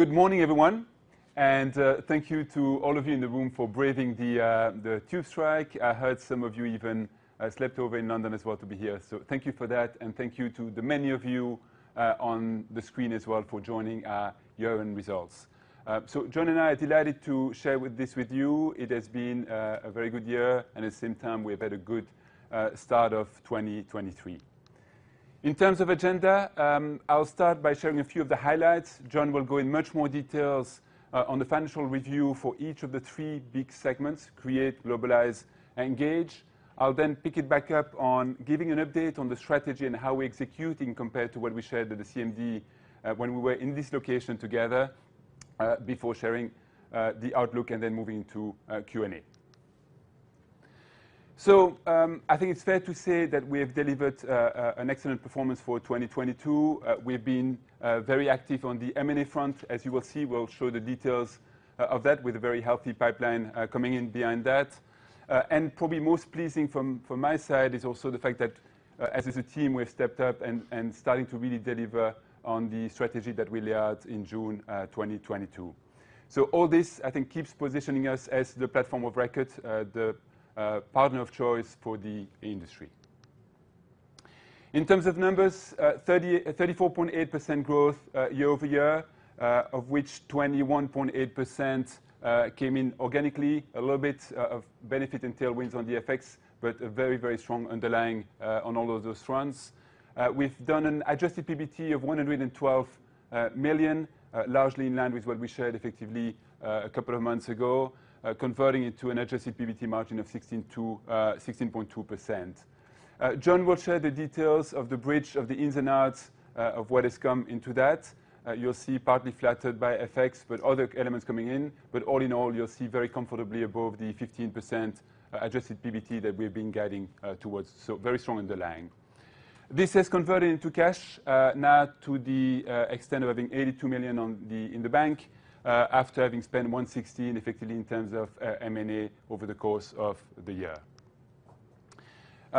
Good morning, everyone, and thank you to all of you in the room for braving the tube strike. I heard some of you even slept over in London as well to be here. Thank you for that and thank you to the many of you on the screen as well for joining our year-end results. John and I are delighted to share this with you. It has been a very good year, and at the same time we've had a good start of 2023. In terms of agenda, I'll start by sharing a few of the highlights. John will go in much more details on the financial review for each of the three big segments, Create, Globalize, Engage. I'll then pick it back up on giving an update on the strategy and how we're executing compared to what we shared at the CMD when we were in this location together before sharing the outlook and then moving to Q&A. I think it's fair to say that we have delivered an excellent performance for 2022. We've been very active on the M&A front. As you will see, we'll show the details of that with a very healthy pipeline coming in behind that. And probably most pleasing from my side is also the fact that as a team, we've stepped up and starting to really deliver on the strategy that we lay out in June 2022. All this, I think, keeps positioning us as the platform of record, the partner of choice for the industry. In terms of numbers, 34.8% growth year-over-year, of which 21.8% came in organically. A little bit of benefit and tailwinds on the FX, but a very, very strong underlying on all of those fronts. We've done an Adjusted PBT of 112 million, largely in line with what we shared effectively a couple of months ago, converting it to an Adjusted PBT margin of 16.2%. John will share the details of the bridge of the ins and outs of what has come into that. You'll see partly flattered by FX, but other elements coming in. All in all, you'll see very comfortably above the 15%, Adjusted PBT that we've been guiding towards. Very strong underlying. This has converted into cash, now to the extent of having 82 million in the bank, after having spent 160 effectively in terms of M&A over the course of the year.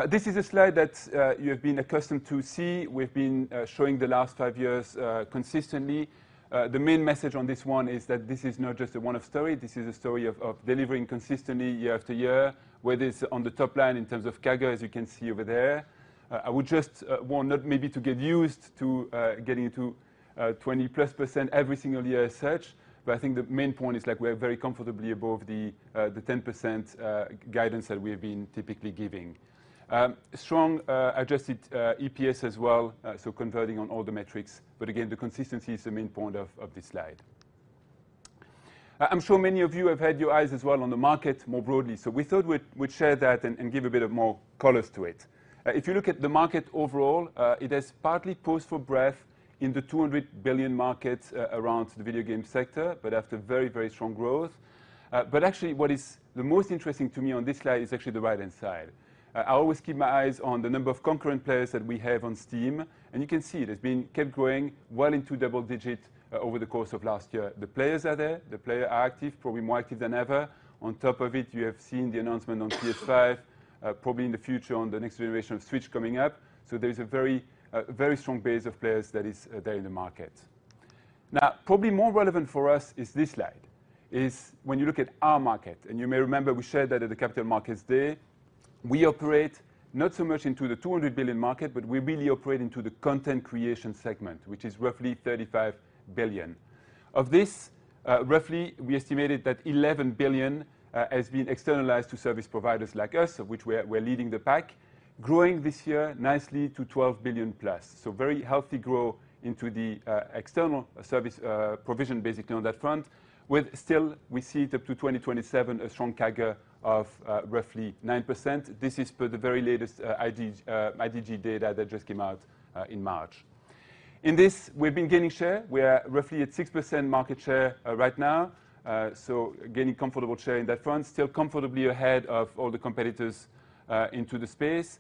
This is a slide that you have been accustomed to see. We've been showing the last five years, consistently. The main message on this one is that this is not just a one-up story. This is a story of delivering consistently year after year, whether it's on the top line in terms of CAGR, as you can see over there. I would just warn not maybe to get used to getting into 20%+ every single year as such. I think the main point is like we are very comfortably above the 10% guidance that we have been typically giving. Strong Adjusted EPS as well, so converting on all the metrics. Again, the consistency is the main point of this slide. I'm sure many of you have had your eyes as well on the market more broadly. We thought we'd share that and give a bit of more colors to it. If you look at the market overall, it has partly paused for breath in the 200 billion markets around the video game sector, but after very, very strong growth. Actually, what is the most interesting to me on this slide is actually the right-hand side. I always keep my eyes on the number of concurrent players that we have on Steam, you can see it has been kept growing well into double-digit over the course of last year. The players are there, the player are active, probably more active than ever. On top of it, you have seen the announcement on PS5, probably in the future on the next generation of Switch coming up. There is a very, very strong base of players that is there in the market. Now, probably more relevant for us is this slide, is when you look at our market, you may remember we shared that at the Capital Markets Day. We operate not so much into the 200 billion market, but we really operate into the content creation segment, which is roughly 35 billion. Of this, roughly, we estimated that 11 billion has been externalized to service providers like us, of which we are, we are leading the pack, growing this year nicely to 12 billion+. Very healthy grow into the external service provision basically on that front. With still we see it up to 2027, a strong CAGR of roughly 9%. This is per the very latest IDG data that just came out in March. In this, we've been gaining share. We are roughly at 6% market share right now. Gaining comfortable share in that front, still comfortably ahead of all the competitors into the space.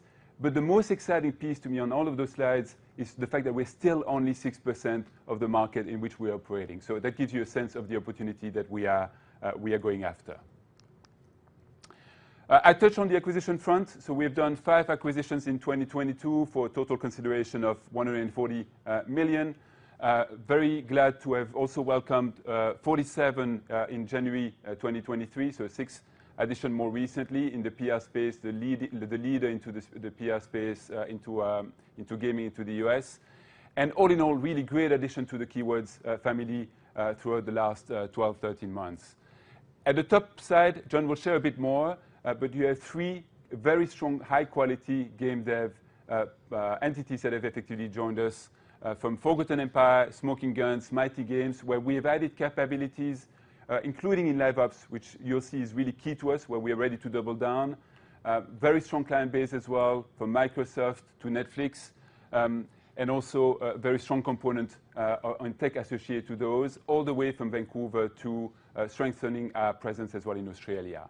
The most exciting piece to me on all of those slides is the fact that we're still only 6% of the market in which we are operating. That gives you a sense of the opportunity that we are going after. I touched on the acquisition front. We have done 5 acquisitions in 2022 for a total consideration of 140 million. Very glad to have also welcomed 47 in January 2023, so 6 addition more recently in the PR space, the leader into the PR space, into gaming, into the U.S. All in all, really great addition to the Keywords family throughout the last 12, 13 months. At the top side, John will share a bit more. You have three very strong high-quality game dev entities that have effectively joined us from Forgotten Empire, Smoking Gun, Mighty Games, where we have added capabilities, including in live ops, which you'll see is really key to us, where we are ready to double down. Very strong client base as well from Microsoft to Netflix, and also a very strong component on tech associated to those all the way from Vancouver to strengthening our presence as well in Australia.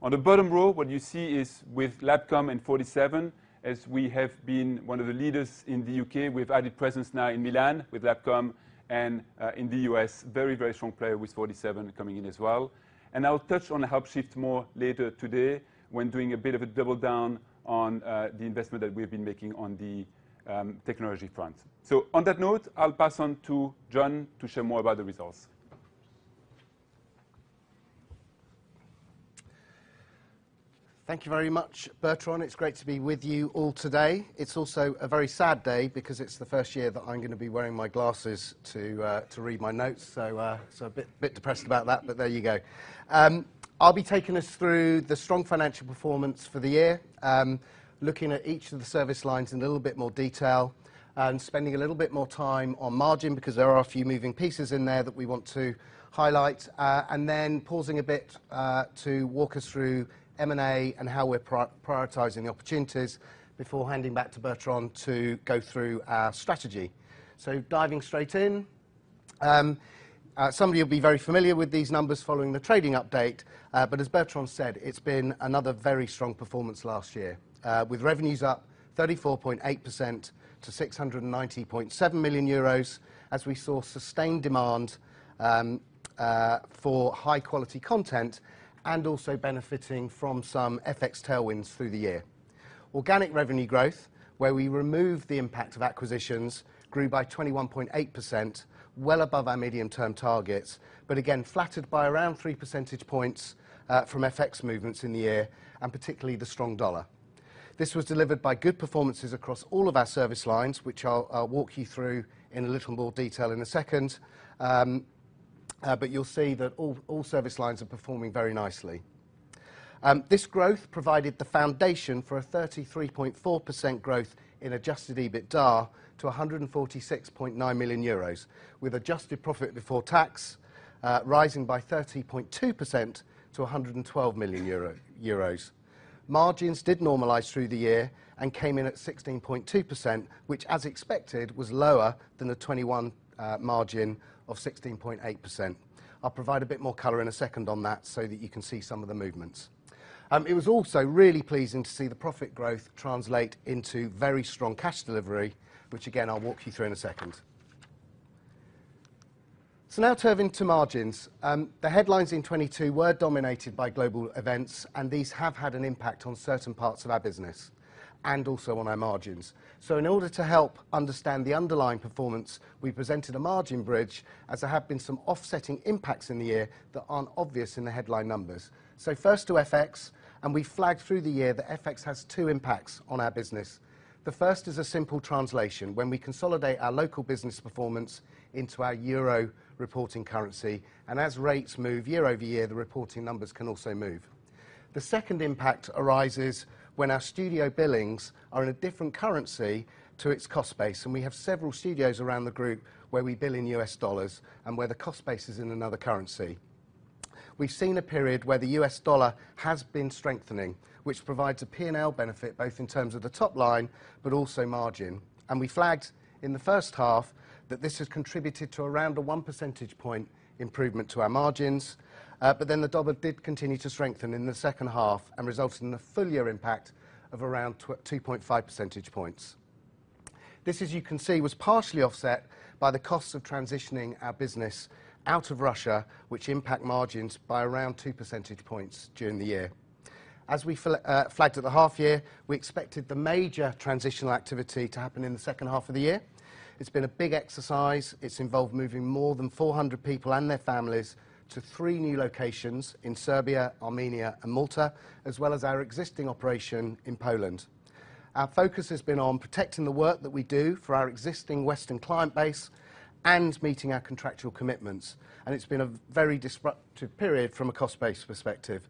On the bottom row, what you see is with LabCom and Forty-seven, as we have been one of the leaders in the UK, we've added presence now in Milan with LabCom and in the US, very, very strong player with Forty-seven coming in as well. I'll touch on the Helpshift more later today when doing a bit of a double down on the investment that we've been making on the technology front. On that note, I'll pass on to John to share more about the results. Thank you very much, Bertrand. It's great to be with you all today. It's also a very sad day because it's the first year that I'm gonna be wearing my glasses to read my notes. A bit depressed about that, but there you go. I'll be taking us through the strong financial performance for the year, looking at each of the service lines in a little bit more detail, and spending a little bit more time on margin because there are a few moving pieces in there that we want to highlight. Pausing a bit to walk us through M&A and how we're prioritizing the opportunities before handing back to Bertrand to go through our strategy. Diving straight in, some of you will be very familiar with these numbers following the trading update, but as Bertrand said, it's been another very strong performance last year, with revenues up 34.8% to 690.7 million euros as we saw sustained demand for high quality content, and also benefiting from some FX tailwinds through the year. Organic revenue growth, where we remove the impact of acquisitions, grew by 21.8%, well above our medium-term targets, but again, flattered by around 3 percentage points from FX movements in the year, and particularly the strong dollar. This was delivered by good performances across all of our service lines, which I'll walk you through in a little more detail in a second. But you'll see that all service lines are performing very nicely. This growth provided the foundation for a 33.4% growth in Adjusted EBITDA to 146.9 million euros, with adjusted profit before tax rising by 30.2% to 112 million euros. Margins did normalize through the year and came in at 16.2%, which as expected, was lower than the 2021 margin of 16.8%. I'll provide a bit more color in a second on that so that you can see some of the movements. It was also really pleasing to see the profit growth translate into very strong cash delivery, which again, I'll walk you through in a second. Now turning to margins. The headlines in 2022 were dominated by global events. These have had an impact on certain parts of our business and also on our margins. In order to help understand the underlying performance, we presented a margin bridge, as there have been some offsetting impacts in the year that aren't obvious in the headline numbers. First to FX. We flagged through the year that FX has two impacts on our business. The first is a simple translation. When we consolidate our local business performance into our EUR reporting currency, as rates move year-over-year, the reporting numbers can also move. The second impact arises when our studio billings are in a different currency to its cost base. We have several studios around the group where we bill in US dollars and where the cost base is in another currency. We've seen a period where the US dollar has been strengthening, which provides a P&L benefit, both in terms of the top line, but also margin. We flagged in the H1 that this has contributed to around a 1 percentage point improvement to our margins. The dollar did continue to strengthen in the H2 and resulted in a full year impact of around 2.5 percentage points. This, as you can see, was partially offset by the costs of transitioning our business out of Russia, which impact margins by around 2 percentage points during the year. As we flagged at the half year, we expected the major transitional activity to happen in the H2 of the year. It's been a big exercise. It's involved moving more than 400 people and their families to three new locations in Serbia, Armenia, and Malta, as well as our existing operation in Poland. Our focus has been on protecting the work that we do for our existing Western client base and meeting our contractual commitments. It's been a very disruptive period from a cost base perspective.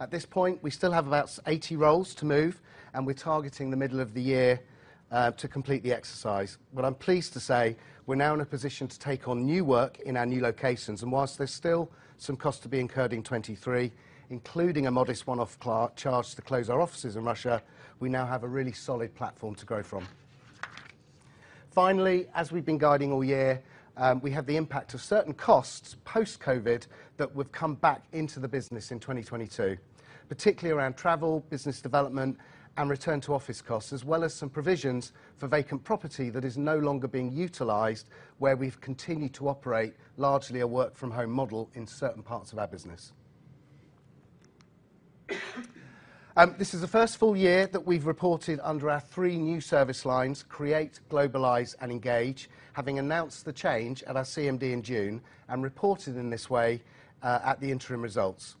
At this point, we still have about 80 roles to move, and we're targeting the middle of the year to complete the exercise. I'm pleased to say we're now in a position to take on new work in our new locations. Whilst there's still some cost to be incurred in 2023, including a modest one-off charge to close our offices in Russia, we now have a really solid platform to grow from. Finally, as we've been guiding all year, we have the impact of certain costs post-COVID that would come back into the business in 2022, particularly around travel, business development, and return to office costs, as well as some provisions for vacant property that is no longer being utilized, where we've continued to operate largely a work from home model in certain parts of our business. This is the first full year that we've reported under our three new service lines, Create, Globalize, and Engage, having announced the change at our CMD in June and reported in this way, at the interim results.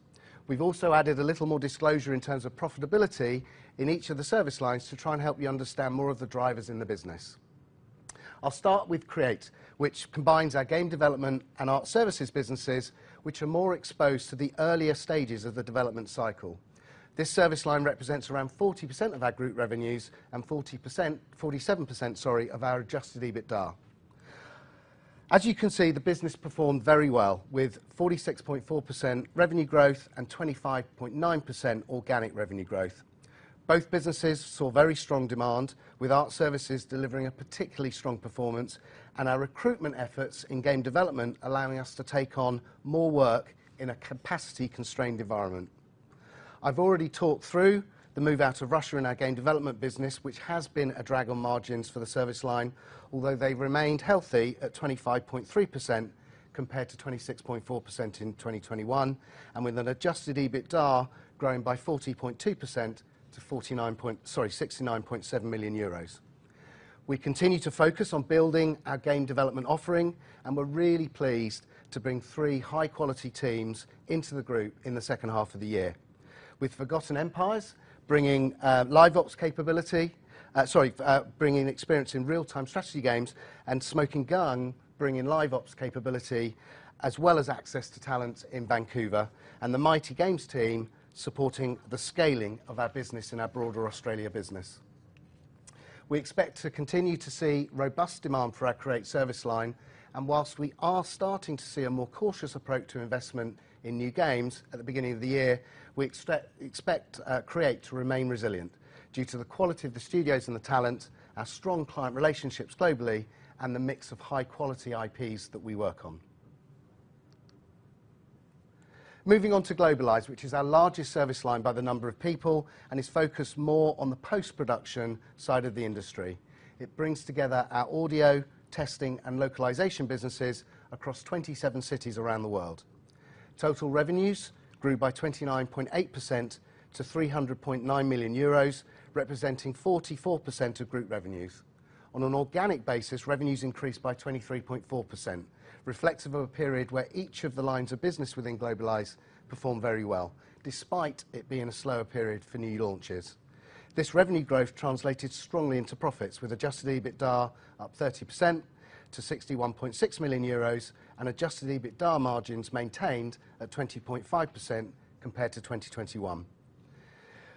We've also added a little more disclosure in terms of profitability in each of the service lines to try and help you understand more of the drivers in the business. I'll start with Create, which combines our game development and art services businesses, which are more exposed to the earlier stages of the development cycle. This service line represents around 40% of our group revenues and 47%, sorry, of our adjusted EBITDA. As you can see, the business performed very well with 46.4% revenue growth and 25.9% organic revenue growth. Both businesses saw very strong demand, with art services delivering a particularly strong performance and our recruitment efforts in game development allowing us to take on more work in a capacity-constrained environment. I've already talked through the move out of Russia in our game development business, which has been a drag on margins for the service line, although they've remained healthy at 25.3% compared to 26.4% in 2021. With an Adjusted EBITDA growing by 40.2% to 69.7 million euros. We continue to focus on building our game development offering. We're really pleased to bring three high-quality teams into the group in the H2 of the year. With Forgotten Empires, bringing Live Ops capability. Sorry, bringing experience in real-time strategy games and Smoking Gun bringing Live Ops capability as well as access to talent in Vancouver and the Mighty Games team supporting the scaling of our business in our broader Australia business. We expect to continue to see robust demand for our Create service line. Whilst we are starting to see a more cautious approach to investment in new games at the beginning of the year, we expect Create to remain resilient due to the quality of the studios and the talent, our strong client relationships globally, and the mix of high-quality IPs that we work on. Moving on to Globalize, which is our largest service line by the number of people, is focused more on the post-production side of the industry. It brings together our audio, testing, and localization businesses across 27 cities around the world. Total revenues grew by 29.8% to 300.9 million euros, representing 44% of group revenues. On an organic basis, revenues increased by 23.4%, reflective of a period where each of the lines of business within Globalize performed very well, despite it being a slower period for new launches. This revenue growth translated strongly into profits, with Adjusted EBITDA up 30% to 61.6 million euros and Adjusted EBITDA margins maintained at 20.5% compared to 2021.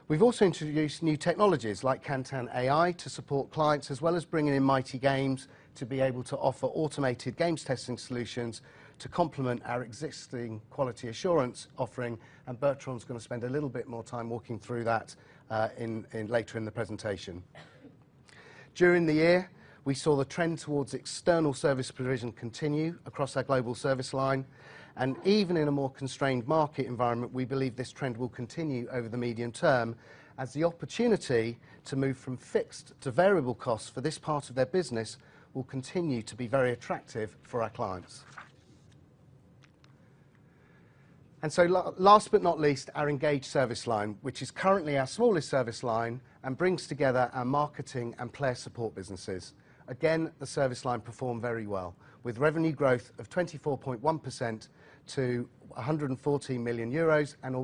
We've also introduced new technologies like KantanAI to support clients, as well as bringing in Mighty Games to be able to offer automated games testing solutions to complement our existing quality assurance offering, and Bertrand's gonna spend a little bit more time walking through that later in the presentation. During the year, we saw the trend towards external service provision continue across our global service line. Even in a more constrained market environment, we believe this trend will continue over the medium term as the opportunity to move from fixed to variable costs for this part of their business will continue to be very attractive for our clients. Last but not least, our Engage service line, which is currently our smallest service line and brings together our marketing and player support businesses. Again, the service line performed very well, with revenue growth of 24.1% to 114 million euros and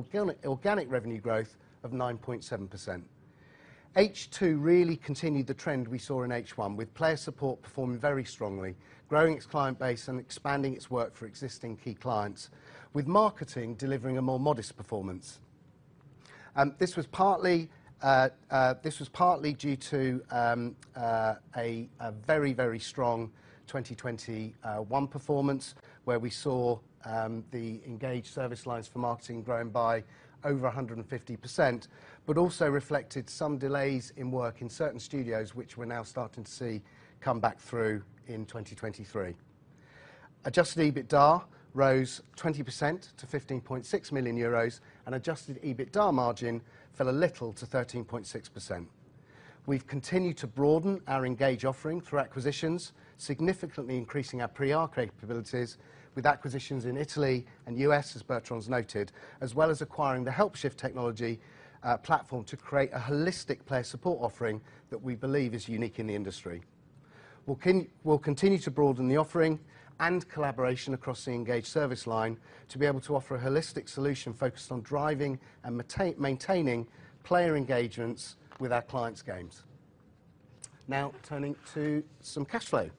organic revenue growth of 9.7%. H2 really continued the trend we saw in H1, with player support performing very strongly, growing its client base and expanding its work for existing key clients, with marketing delivering a more modest performance. This was partly due to a very, very strong 2021 performance, where we saw the Engage service lines for marketing grown by over 150%. Also reflected some delays in work in certain studios which we're now starting to see come back through in 2023. Adjusted EBITDA rose 20% to 15.6 million euros and adjusted EBITDA margin fell a little to 13.6%. We've continued to broaden our Engage offering through acquisitions, significantly increasing our pre-ART capabilities with acquisitions in Italy and U.S., as Bertrand's noted, as well as acquiring the Helpshift technology platform to create a holistic player support offering that we believe is unique in the industry. We'll continue to broaden the offering and collaboration across the Engage service line to be able to offer a holistic solution focused on driving and maintaining player engagements with our clients' games. Now turning to some cash flow.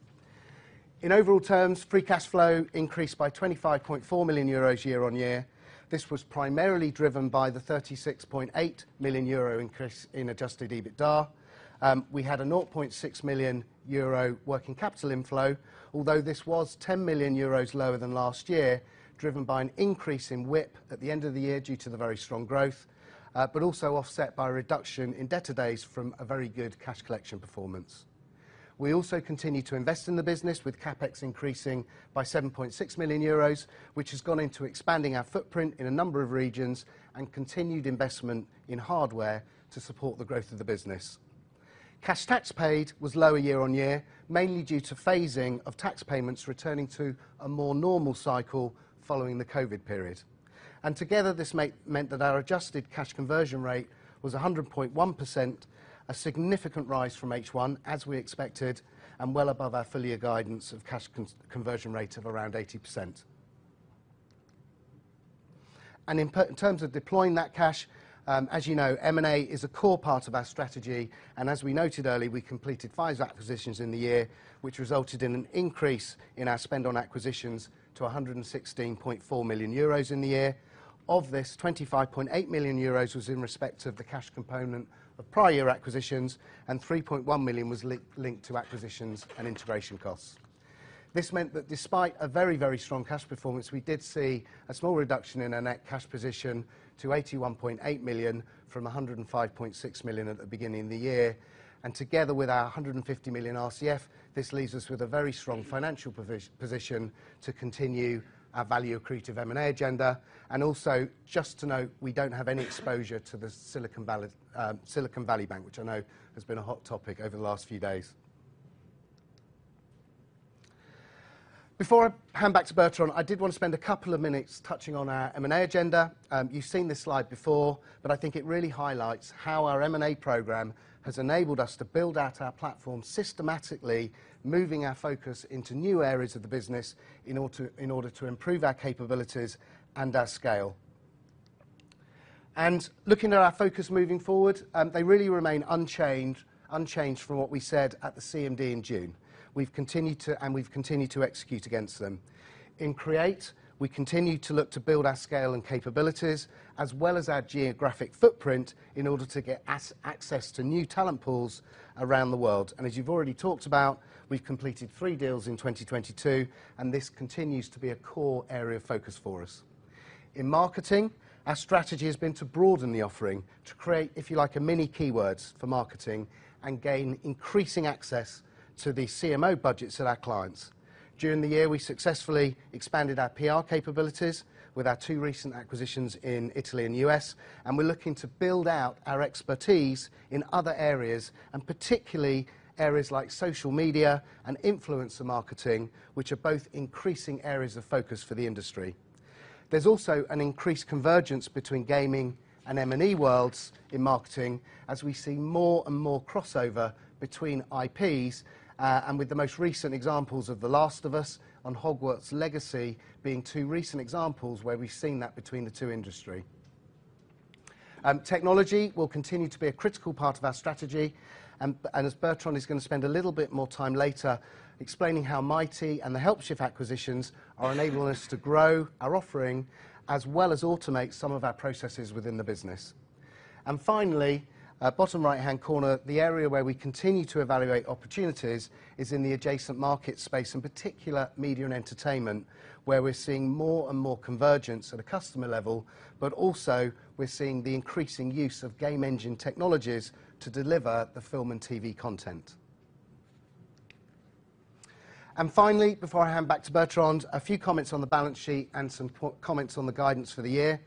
In overall terms, free cash flow increased by 25.4 million euros year-on-year. This was primarily driven by the 36.8 million euro increase in Adjusted EBITDA. We had a 0.6 million euro working capital inflow, although this was 10 million euros lower than last year, driven by an increase in WIP at the end of the year due to the very strong growth, but also offset by a reduction in debtor days from a very good cash collection performance. We also continued to invest in the business, with CapEx increasing by 7.6 million euros, which has gone into expanding our footprint in a number of regions and continued investment in hardware to support the growth of the business. Cash tax paid was lower year-on-year, mainly due to phasing of tax payments returning to a more normal cycle following the COVID period. Together, this meant that our adjusted cash conversion rate was 100.1%, a significant rise from H1, as we expected, and well above our full year guidance of cash conversion rate of around 80%. In terms of deploying that cash, as you know, M&A is a core part of our strategy. As we noted earlier, we completed 5 acquisitions in the year, which resulted in an increase in our spend on acquisitions to 116.4 million euros in the year. Of this, 25.8 million euros was in respect of the cash component of prior year acquisitions, and 3.1 million was linked to acquisitions and integration costs. This meant that despite a very, very strong cash performance, we did see a small reduction in our net cash position to 81.8 million from 105.6 million at the beginning of the year. Together with our 150 million RCF, this leaves us with a very strong financial position to continue our value-accretive M&A agenda. Just to note, we don't have any exposure to the Silicon Valley Bank, which I know has been a hot topic over the last few days. Before I hand back to Bertrand, I did want to spend a couple of minutes touching on our M&A agenda. You've seen this slide before, but I think it really highlights how our M&A program has enabled us to build out our platform systematically, moving our focus into new areas of the business in order to improve our capabilities and our scale. Looking at our focus moving forward, they really remain unchanged from what we said at the CMD in June. We've continued to execute against them. In Create, we continue to look to build our scale and capabilities as well as our geographic footprint in order to get access to new talent pools around the world. As you've already talked about, we've completed 3 deals in 2022, and this continues to be a core area of focus for us. In marketing, our strategy has been to broaden the offering to create, if you like, a mini Keywords for marketing and gain increasing access to the CMO budgets of our clients. During the year, we successfully expanded our PR capabilities with our 2 recent acquisitions in Italy and U.S., and we're looking to build out our expertise in other areas, and particularly areas like social media and influencer marketing, which are both increasing areas of focus for the industry. There's also an increased convergence between gaming and M&E worlds in marketing as we see more and more crossover between IPs, and with the most recent examples of The Last of Us and Hogwarts Legacy being two recent examples where we've seen that between the two industry. Technology will continue to be a critical part of our strategy and as Bertrand is gonna spend a little bit more time later explaining how Mighty and the Helpshift acquisitions are enabling us to grow our offering as well as automate some of our processes within the business. Finally, at bottom right-hand corner, the area where we continue to evaluate opportunities is in the adjacent market space, in particular media and entertainment, where we're seeing more and more convergence at a customer level, but also we're seeing the increasing use of game engine technologies to deliver the film and TV content. Finally, before I hand back to Bertrand, a few comments on the balance sheet and some comments on the guidance for the year.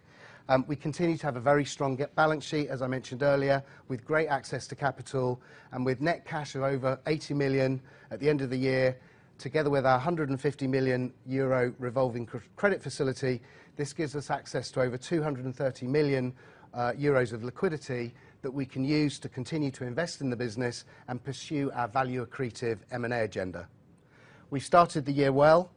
We continue to have a very strong balance sheet, as I mentioned earlier, with great access to capital and with net cash of over 80 million at the end of the year, together with our 150 million euro revolving credit facility. This gives us access to over 230 million euros of liquidity that we can use to continue to invest in the business and pursue our value accretive M&A agenda. We started the year well,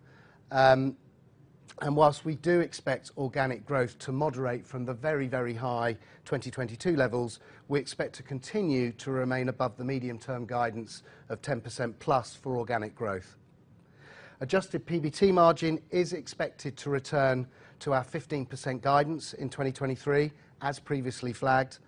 and whilst we do expect organic growth to moderate from the very, very high 2022 levels, we expect to continue to remain above the medium-term guidance of 10%+ for organic growth. Adjusted PBT margin is expected to return to our 15% guidance in 2023, as previously flagged.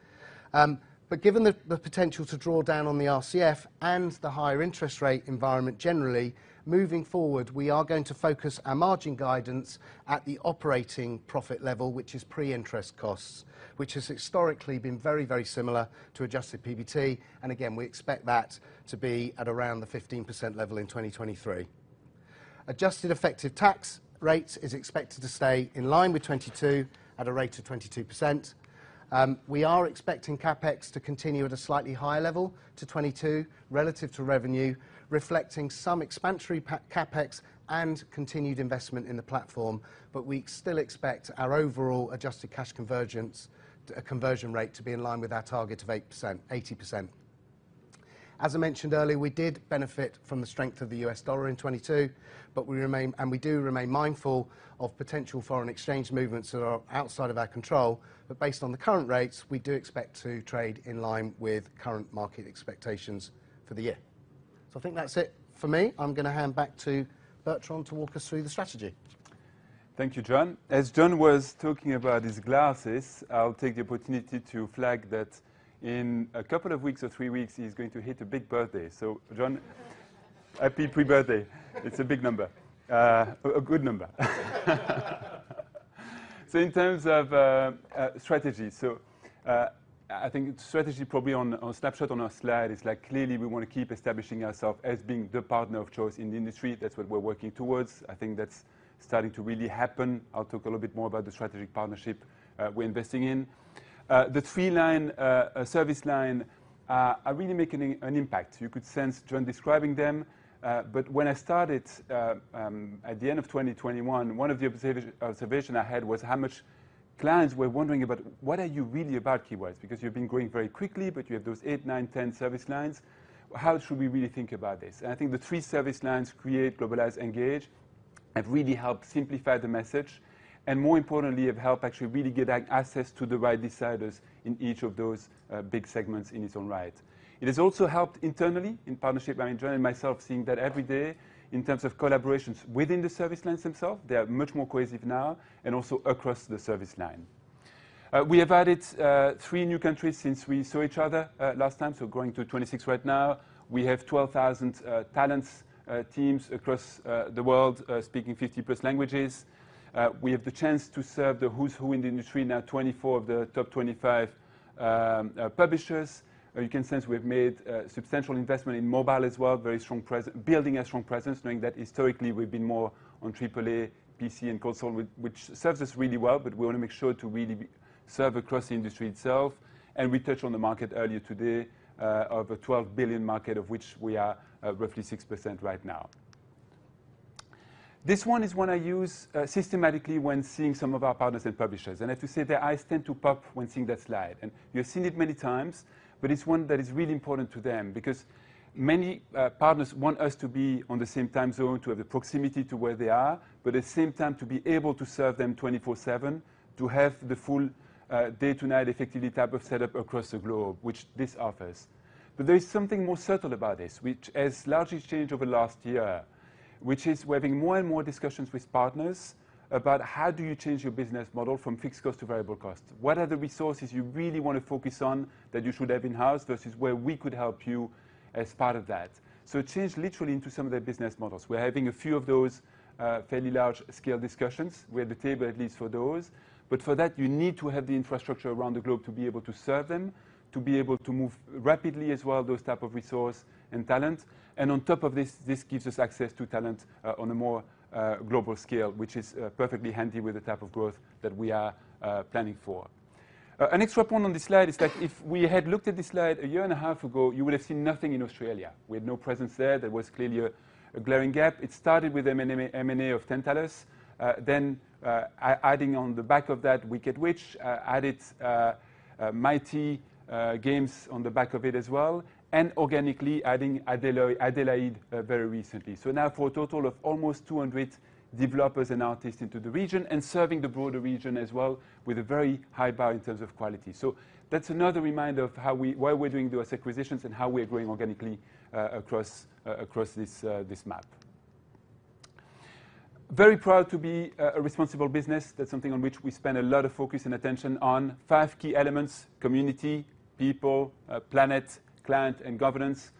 Given the potential to draw down on the RCF and the higher interest rate environment generally, moving forward, we are going to focus our margin guidance at the operating profit level, which is pre-interest costs, which has historically been very, very similar to adjusted PBT. Again, we expect that to be at around the 15% level in 2023. Adjusted effective tax rates is expected to stay in line with 2022 at a rate of 22%. We are expecting CapEx to continue at a slightly higher level to 2022 relative to revenue, reflecting some expansionary CapEx and continued investment in the platform. We still expect our overall adjusted cash convergence conversion rate to be in line with our target of 80%. As I mentioned earlier, we did benefit from the strength of the US dollar in 2022, we do remain mindful of potential foreign exchange movements that are outside of our control. Based on the current rates, we do expect to trade in line with current market expectations for the year. I think that's it for me. I'm gonna hand back to Bertrand to walk us through the strategy. Thank you, John. As John was talking about his glasses, I'll take the opportunity to flag that in a couple of weeks or three weeks, he's going to hit a big birthday. John, happy pre-birthday. It's a big number. A good number. In terms of strategy. I think strategy probably on snapshot on our slide is like, clearly we wanna keep establishing ourself as being the partner of choice in the industry. That's what we're working towards. I think that's starting to really happen. I'll talk a little bit more about the strategic partnership we're investing in. The three line service line are really making an impact. You could sense John describing them. When I started at the end of 2021, one of the observation I had was how much clients were wondering about what are you really about Keywords? Because you've been growing very quickly, but you have those 8, 9, 10 service lines. How should we really think about this? I think the 3 service lines, Create, Globalize, Engage, have really helped simplify the message, and more importantly, have helped actually really get access to the right deciders in each of those big segments in its own right. It has also helped internally in partnership, I enjoy myself seeing that every day in terms of collaborations within the service lines themselves. They are much more cohesive now and also across the service line. We have added 3 new countries since we saw each other last time, so growing to 26 right now. We have 12,000 talents, teams across the world, speaking 50+ languages. We have the chance to serve the who's who in the industry now, 24 of the top 25 publishers. You can sense we've made substantial investment in mobile as well, building a strong presence, knowing that historically we've been more on AAA, PC, and console, which serves us really well, but we wanna make sure to really serve across the industry itself. We touched on the market earlier today, of a 12 billion market of which we are roughly 6% right now. This one is one I use systematically when seeing some of our partners and publishers. I have to say, their eyes tend to pop when seeing that slide. You have seen it many times, but it's one that is really important to them because many partners want us to be on the same time zone to have the proximity to where they are, but at the same time to be able to serve them 24/7 to have the full day-to-night effectively type of setup across the globe, which this offers. There is something more subtle about this, which has largely changed over the last year, which is we're having more and more discussions with partners about how do you change your business model from fixed cost to variable cost? What are the resources you really wanna focus on that you should have in-house versus where we could help you as part of that? It changed literally into some of their business models. We're having a few of those fairly large-scale discussions. We're at the table at least for those. For that, you need to have the infrastructure around the globe to be able to serve them, to be able to move rapidly as well, those type of resource and talent. On top of this gives us access to talent on a more global scale, which is perfectly handy with the type of growth that we are planning for. An extra point on this slide is that if we had looked at this slide a year and a half ago, you would have seen nothing in Australia. We had no presence there. There was clearly a glaring gap. It started with M&A, M&A of Tantalus. Adding on the back of that, Wicked Witch added Mighty Games on the back of it as well, and organically adding Adelaide very recently. Now for a total of almost 200 developers and artists into the region and serving the broader region as well with a very high bar in terms of quality. That's another reminder of why we're doing those acquisitions and how we are growing organically across this map. Very proud to be a responsible business. That's something on which we spend a lot of focus and attention on 5 key elements: community, people, planet, client, and governance.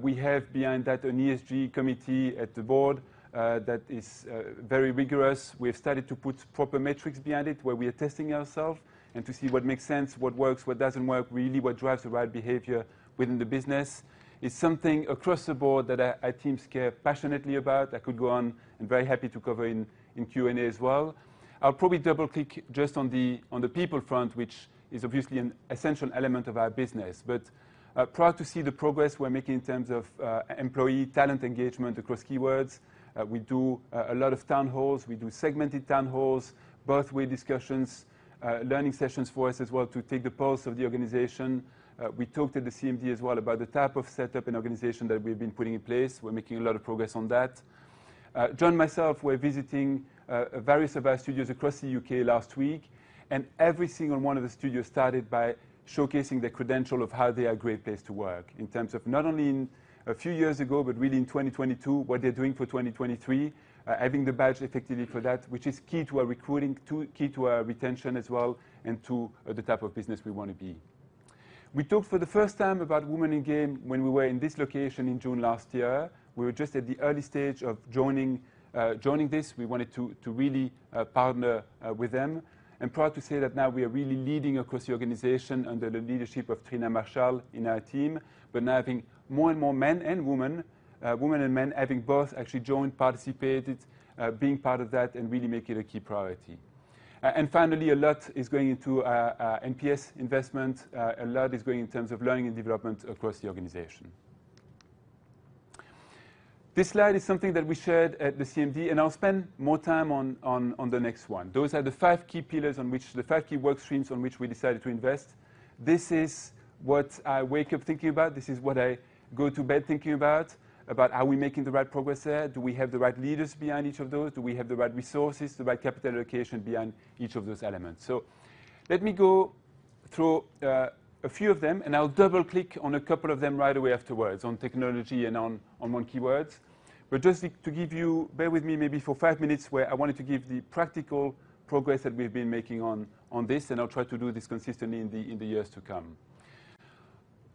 We have behind that an ESG committee at the board that is very rigorous. We have started to put proper metrics behind it where we are testing ourselves and to see what makes sense, what works, what doesn't work, really what drives the right behavior within the business. It's something across the board that our teams care passionately about. I could go on and very happy to cover in Q&A as well. I'll probably double-click just on the people front, which is obviously an essential element of our business. Proud to see the progress we're making in terms of employee talent engagement across Keywords. We do a lot of town halls. We do segmented town halls, both with discussions, learning sessions for us as well to take the pulse of the organization. We talked at the CMD as well about the type of setup and organization that we've been putting in place. We're making a lot of progress on that. John, myself, we're visiting various of our studios across the UK last week, and every single one of the studios started by showcasing their credential of how they are a great place to work in terms of not only in a few years ago, but really in 2022, what they're doing for 2023, having the badge effectively for that, which is key to our recruiting too, key to our retention as well, and to the type of business we wanna be. We talked for the first time about Women in Games when we were in this location in June last year. We were just at the early stage of joining joining this. We wanted to really partner with them. I'm proud to say that now we are really leading across the organization under the leadership of Trina Marshall in our team. We're now having more and more men and women and men having both actually joined, participated, being part of that and really make it a key priority. Finally, a lot is going into NPS investment. A lot is going in terms of learning and development across the organization. This slide is something that we shared at the CMD, and I'll spend more time on the next one. Those are the five key pillars on which the five key work streams on which we decided to invest. This is what I wake up thinking about. This is what I go to bed thinking about, are we making the right progress there? Do we have the right leaders behind each of those? Do we have the right resources, the right capital allocation behind each of those elements? Let me go through a few of them, and I'll double-click on a couple of them right away afterwards on technology and on one Keywords. Just to give you, bear with me maybe for 5 minutes where I wanted to give the practical progress that we've been making on this, and I'll try to do this consistently in the years to come.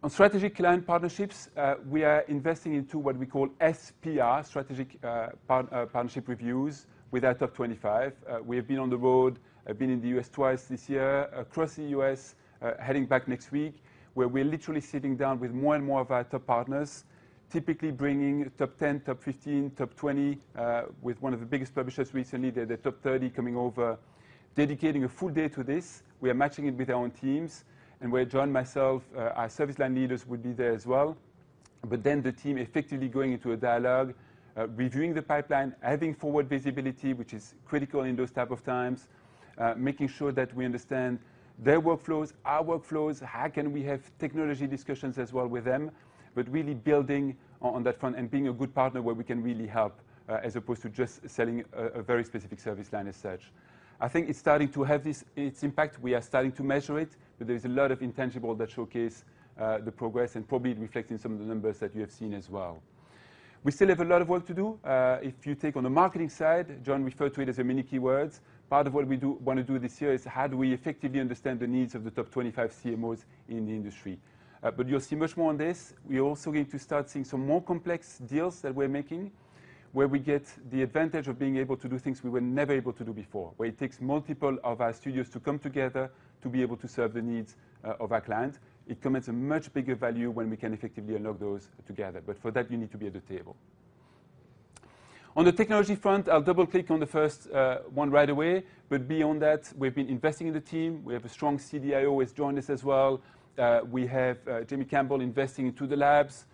On strategic client partnerships, we are investing into what we call SPR, strategic partnership reviews with our top 25. We have been on the road. I've been in the U.S. twice this year across the U.S., heading back next week, where we're literally sitting down with more and more of our top partners, typically bringing top 10, top 15, top 20, with one of the biggest publishers recently. They're the top 30 coming over, dedicating a full day to this. We are matching it with our own teams, and where John, myself, our service line leaders will be there as well. The team effectively going into a dialogue, reviewing the pipeline, adding forward visibility, which is critical in those type of times, making sure that we understand their workflows, our workflows, how can we have technology discussions as well with them. Really building on that front and being a good partner where we can really help as opposed to just selling a very specific service line as such. I think it's starting to have its impact. We are starting to measure it. There is a lot of intangible that showcase the progress and probably reflected in some of the numbers that you have seen as well. We still have a lot of work to do. If you take on the marketing side, John referred to it as a mini keywords. Part of what we wanna do this year is how do we effectively understand the needs of the top 25 CMOs in the industry? You'll see much more on this. We're also going to start seeing some more complex deals that we're making, where we get the advantage of being able to do things we were never able to do before, where it takes multiple of our studios to come together to be able to serve the needs of our clients. It commands a much bigger value when we can effectively unlock those together, but for that, you need to be at the table. On the technology front, I'll double-click on the first one right away. Beyond that, we've been investing in the team. We have a strong CDIO who has joined us as well. We have Jamie Campbell investing into the labs.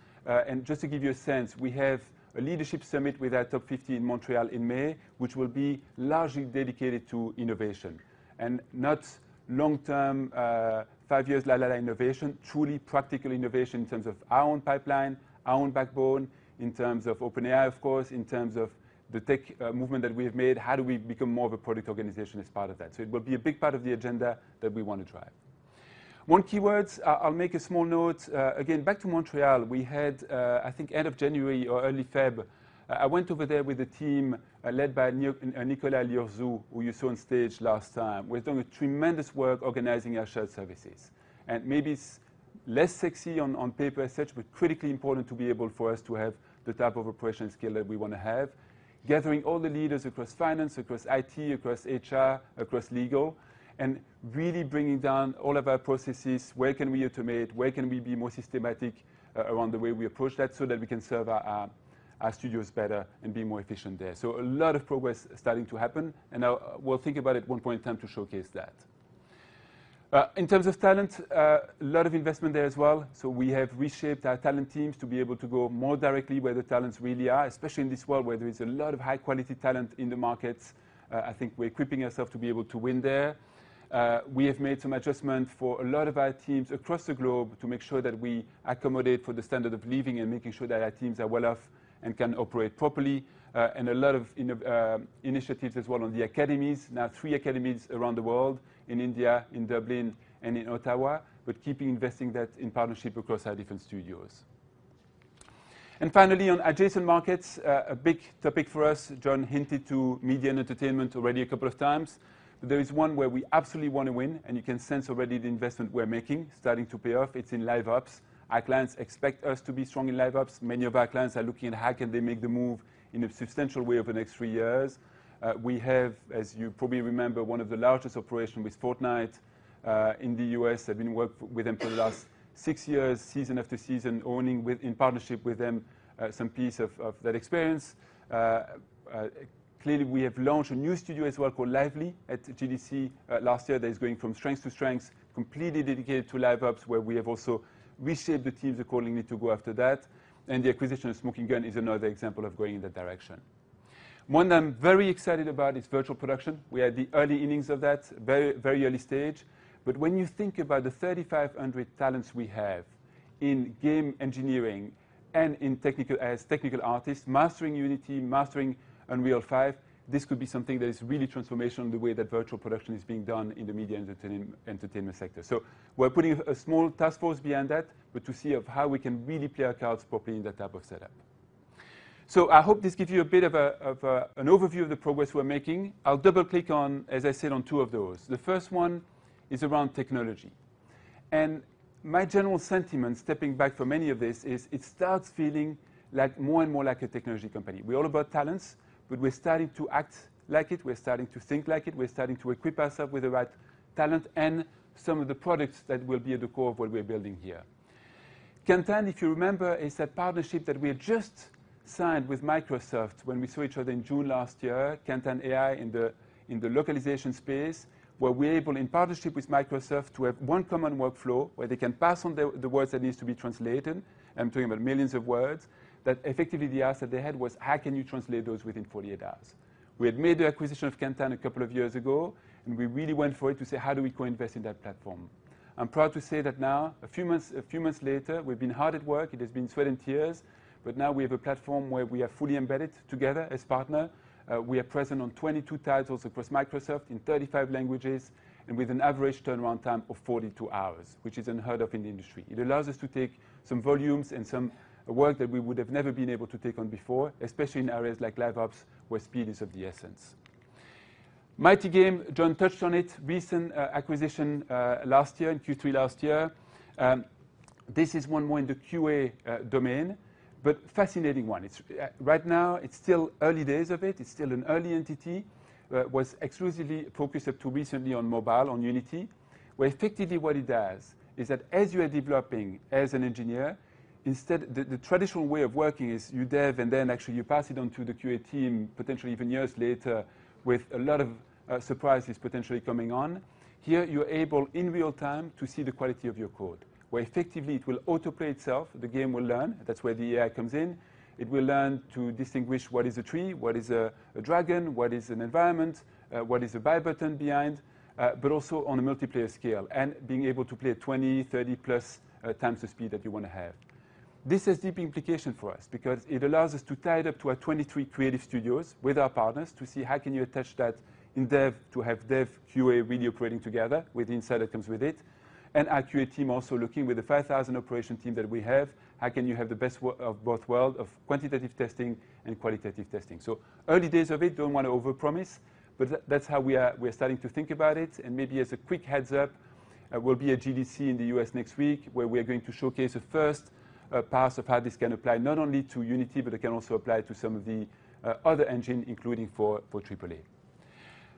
Just to give you a sense, we have a leadership summit with our top 50 in Montreal in May, which will be largely dedicated to innovation. Not long-term, 5 years innovation, truly practical innovation in terms of our own pipeline, our own backbone, in terms of OpenAI, of course, in terms of the tech movement that we have made, how do we become more of a product organization as part of that? It will be a big part of the agenda that we wanna drive. One Keywords, I'll make a small note. Again, back to Montreal, we had, I think end of January or early February, I went over there with a team, led by Nicolas Lioret-Drouin, who you saw on stage last time. We're doing tremendous work organizing our shared services. Maybe it's less sexy on paper as such, but critically important to be able for us to have the type of operation scale that we wanna have. Gathering all the leaders across finance, across IT, across HR, across legal, and really bringing down all of our processes, where can we automate, where can we be more systematic around the way we approach that so that we can serve our studios better and be more efficient there. A lot of progress starting to happen. Now we'll think about it one point in time to showcase that. In terms of talent, a lot of investment there as well. We have reshaped our talent teams to be able to go more directly where the talents really are, especially in this world where there is a lot of high-quality talent in the markets. I think we're equipping ourself to be able to win there. We have made some adjustment for a lot of our teams across the globe to make sure that we accommodate for the standard of living and making sure that our teams are well off and can operate properly. A lot of initiatives as well on the academies. Now, three academies around the world, in India, in Dublin, and in Ottawa, keeping investing that in partnership across our different studios. Finally, on adjacent markets, a big topic for us, John hinted to media and entertainment already a couple of times. There is one where we absolutely wanna win, and you can sense already the investment we're making starting to pay off. It's in Live Ops. Our clients expect us to be strong in Live Ops. Many of our clients are looking at how can they make the move in a substantial way over the next three years. We have, as you probably remember, one of the largest operation with Fortnite in the U.S. I've been working with them for the last six years, season after season, owning in partnership with them some piece of that experience. Clearly, we have launched a new studio as well called Lively at GDC last year that is going from strength to strengths, completely dedicated to live ops, where we have also reshaped the teams accordingly to go after that. The acquisition of Smoking Gun is another example of going in that direction. One that I'm very excited about is virtual production. We had the early innings of that, very early stage. When you think about the 3,500 talents we have in game engineering and as technical artists, mastering Unity, mastering Unreal 5, this could be something that is really transformational in the way that virtual production is being done in the media entertainment sector. We're putting a small task force behind that, but to see of how we can really play our cards properly in that type of setup. I hope this gives you a bit of an overview of the progress we're making. I'll double-click on, as I said, on two of those. The first one is around technology. My general sentiment, stepping back from any of this, is it starts feeling like more and more like a technology company. We're all about talents, we're starting to act like it, we're starting to think like it, we're starting to equip ourselves with the right talent and some of the products that will be at the core of what we're building here. Kantan, if you remember, is a partnership that we just signed with Microsoft when we saw each other in June last year, KantanAI in the localization space, where we're able, in partnership with Microsoft, to have one common workflow where they can pass on the words that needs to be translated. I'm talking about millions of words. Effectively, the ask that they had was, "How can you translate those within 48 hours?" We had made the acquisition of Kantan 2 years ago, and we really went for it to say, "How do we co-invest in that platform?" I'm proud to say that now, a few months later, we've been hard at work. It has been sweat and tears, but now we have a platform where we are fully embedded together as partner. We are present on 22 titles across Microsoft in 35 languages and with an average turnaround time of 42 hours, which is unheard of in the industry. It allows us to take some volumes and some work that we would have never been able to take on before, especially in areas like live ops, where speed is of the essence. Mighty Games, John touched on it, recent acquisition last year, in Q3 last year. This is one more in the QA domain, but fascinating one. It's right now, it's still early days of it. It's still an early entity. It was exclusively focused up to recently on mobile, on Unity, where effectively what it does is that as you are developing as an engineer, instead, the traditional way of working is you dev and then actually you pass it on to the QA team, potentially even years later, with a lot of surprises potentially coming on. Here, you're able, in real-time, to see the quality of your code, where effectively it will autoplay itself. The game will learn. That's where the AI comes in. It will learn to distinguish what is a tree, what is a dragon, what is an environment, what is a buy button behind, but also on a multiplayer scale, and being able to play at 20, 30-plus times the speed that you wanna have. This has deep implication for us because it allows us to tie it up to our 23 creative studios with our partners to see how can you attach that in dev to have dev, QA really operating together with the insight that comes with it. Our QA team also looking with the 5,000-operation team that we have, how can you have the best of both world, of quantitative testing and qualitative testing? Early days of it, don't wanna overpromise, but that's how we are, we are starting to think about it. Maybe as a quick heads-up, we'll be at GDC in the US next week, where we are going to showcase the first parts of how this can apply not only to Unity, but it can also apply to some of the other engine, including for AAA.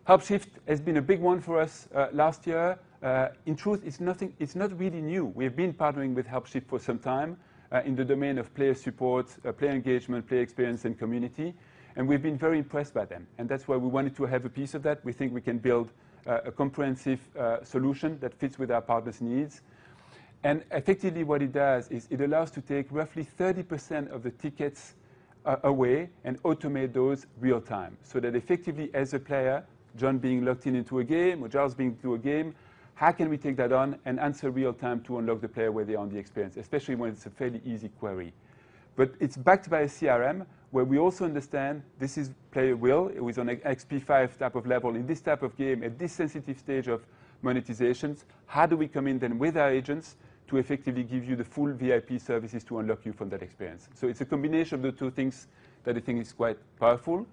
HelpShift has been a big one for us last year. In truth, it's not really new. We've been partnering with HelpShift for some time, in the domain of player support, player engagement, player experience, and community, and we've been very impressed by them. That's why we wanted to have a piece of that. We think we can build a comprehensive solution that fits with our partners' needs. Effectively, what it does is it allows to take roughly 30% of the tickets away and automate those real-time, so that effectively as a player, John being logged into a game or Charles being through a game, how can we take that on and answer real time to unlock the player where they are in the experience, especially when it's a fairly easy query? It's backed by a CRM, where we also understand this is player Will with an XP 5 type of level. In this type of game, at this sensitive stage of monetizations, how do we come in then with our agents to effectively give you the full VIP services to unlock you from that experience? It's a combination of the two things that I think is quite powerful.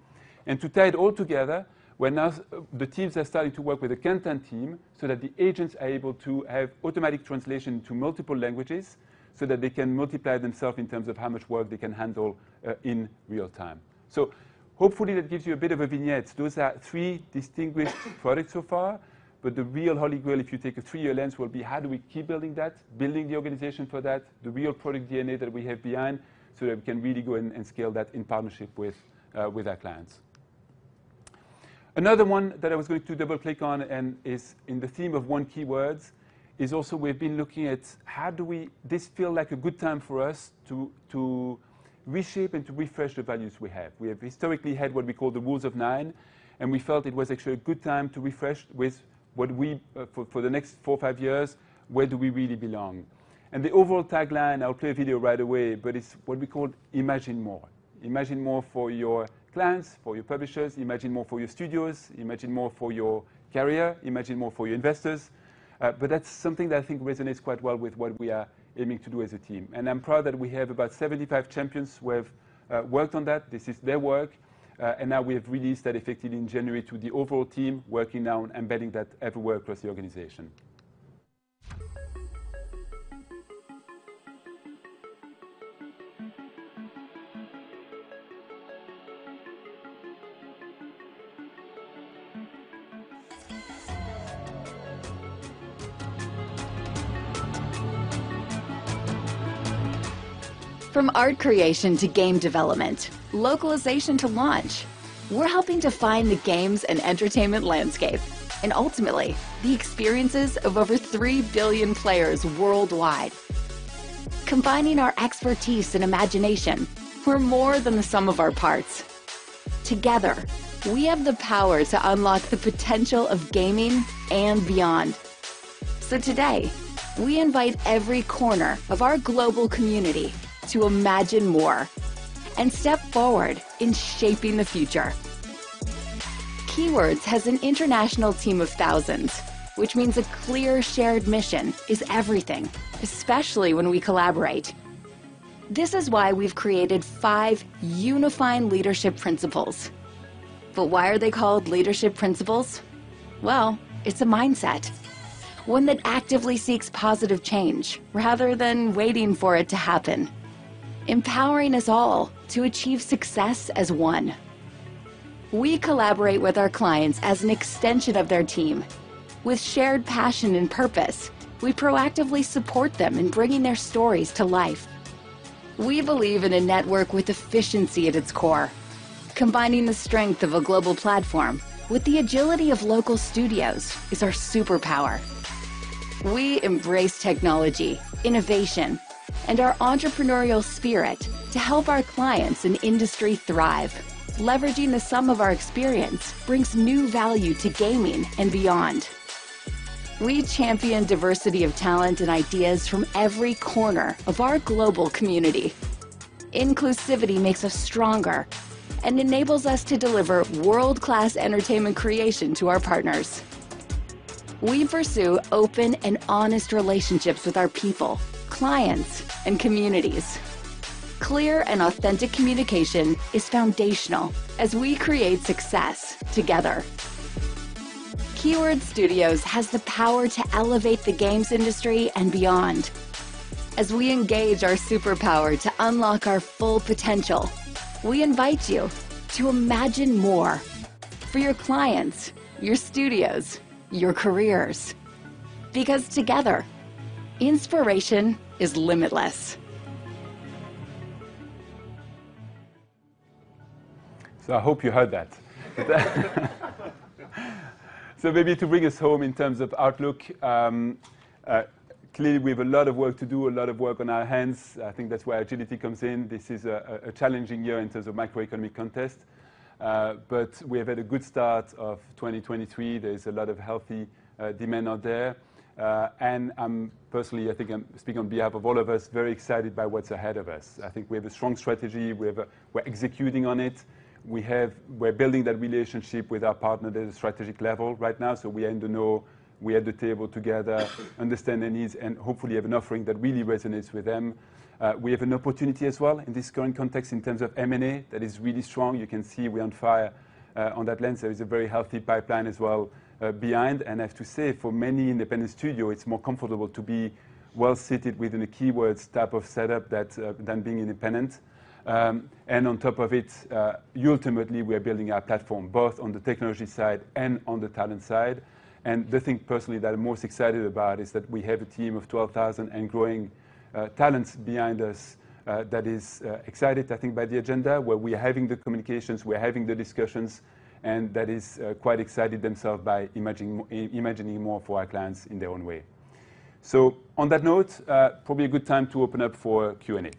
To tie it all together, where now the teams are starting to work with the content team so that the agents are able to have automatic translation to multiple languages, so that they can multiply themselves in terms of how much work they can handle in real time. Hopefully, that gives you a bit of a vignette. Those are three distinguished products so far. The real Holy Grail, if you take a three-year lens, will be how do we keep building that, building the organization for that, the real product DNA that we have behind, so that we can really go and scale that in partnership with our clients. Another one that I was going to double-click on and is in the theme of one Keywords is also we've been looking at how do we. This feel like a good time for us to reshape and to refresh the values we have. We have historically had what we call the Rules of Nine. We felt it was actually a good time to refresh with what we for the next four or five years, where do we really belong? The overall tagline, I'll play a video right away, but it's what we call Imagine more. Imagine more for your clients, for your publishers. Imagine more for your studios. Imagine more for your career. Imagine more for your investors. That's something that I think resonates quite well with what we are aiming to do as a team. I'm proud that we have about 75 champions who have worked on that. This is their work. Now we have released that effective in January to the overall team, working now on embedding that everywhere across the organization. From art creation to game development, localization to launch, we're helping define the games and entertainment landscape and ultimately the experiences of over 3 billion players worldwide. Combining our expertise and imagination, we're more than the sum of our parts. Together, we have the power to unlock the potential of gaming and beyond. Today, we invite every corner of our global community to Imagine more and step forward in shaping the future. Keywords has an international team of thousands, which means a clear, shared mission is everything, especially when we collaborate. This is why we've created 5 unifying leadership principles. Why are they called leadership principles? Well, it's a mindset, one that actively seeks positive change rather than waiting for it to happen, empowering us all to achieve success as one. We collaborate with our clients as an extension of their team. With shared passion and purpose, we proactively support them in bringing their stories to life. We believe in a network with efficiency at its core. Combining the strength of a global platform with the agility of local studios is our superpower. We embrace technology, innovation, and our entrepreneurial spirit to help our clients and industry thrive. Leveraging the sum of our experience brings new value to gaming and beyond. We champion diversity of talent and ideas from every corner of our global community. Inclusivity makes us stronger and enables us to deliver world-class entertainment creation to our partners. We pursue open and honest relationships with our people, clients, and communities. Clear and authentic communication is foundational as we create success together. Keywords Studios has the power to elevate the games industry and beyond. As we engage our superpower to unlock our full potential, we invite you to Imagine more for your clients, your studios, your careers, because together, inspiration is limitless. I hope you heard that. Maybe to bring us home in terms of outlook, clearly, we have a lot of work to do, a lot of work on our hands. I think that's where agility comes in. This is a challenging year in terms of macroeconomic context. We have had a good start of 2023. There is a lot of healthy demand out there. I'm personally, I think I'm speaking on behalf of all of us, very excited by what's ahead of us. I think we have a strong strategy. We're executing on it. We're building that relationship with our partner at a strategic level right now. We aim to know, we are at the table together, understand their needs, and hopefully have an offering that really resonates with them. We have an opportunity as well in this current context in terms of M&A that is really strong. You can see we're on fire on that lens. There is a very healthy pipeline as well behind. I have to say, for many independent studio, it's more comfortable to be well seated within a Keywords type of setup than being independent. On top of it, ultimately, we are building our platform both on the technology side and on the talent side. The thing personally that I'm most excited about is that we have a team of 12,000 and growing, talents behind us, that is, excited, I think, by the agenda, where we are having the communications, we are having the discussions, and that is, quite excited themselves by imagining more for our clients in their own way. On that note, probably a good time to open up for Q&A. Good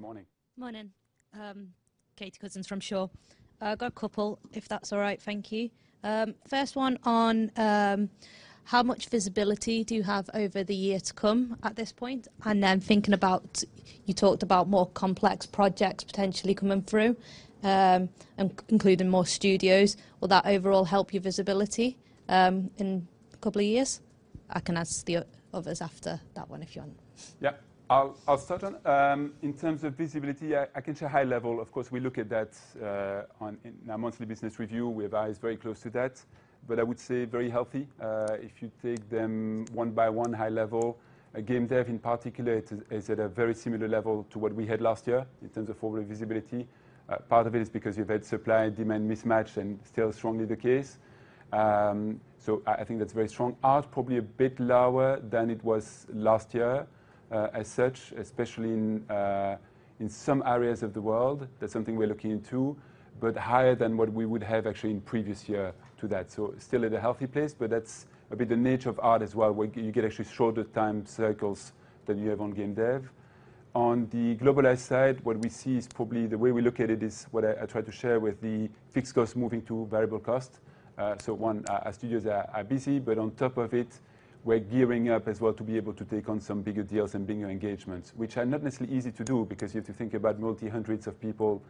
morning. Morning. Katie Cousins from Shore. I've got a couple, if that's all right. Thank you. First one on, how much visibility do you have over the year to come at this point? Then thinking about you talked about more complex projects potentially coming through, including more studios. Will that overall help your visibility in a couple of years? I can ask the others after that one if you want. I'll start on. In terms of visibility, I can share high level. Of course, we look at that in our monthly business review. We advise very close to that. I would say very healthy. If you take them one by one high level, game dev in particular is at a very similar level to what we had last year in terms of forward visibility. Part of it is because you've had supply-demand mismatch and still strongly the case. I think that's very strong. Art, probably a bit lower than it was last year, as such, especially in some areas of the world. That's something we're looking into. Higher than what we would have actually in previous year to that. Still at a healthy place, but that's a bit the nature of art as well, where you get actually shorter time cycles than you have on game dev. On the Globalize side, what we see is probably the way we look at it is what I tried to share with the fixed cost moving to variable cost. One, our studios are busy, but on top of it, we're gearing up as well to be able to take on some bigger deals and bigger engagements, which are not necessarily easy to do because you have to think about multi-hundreds of people,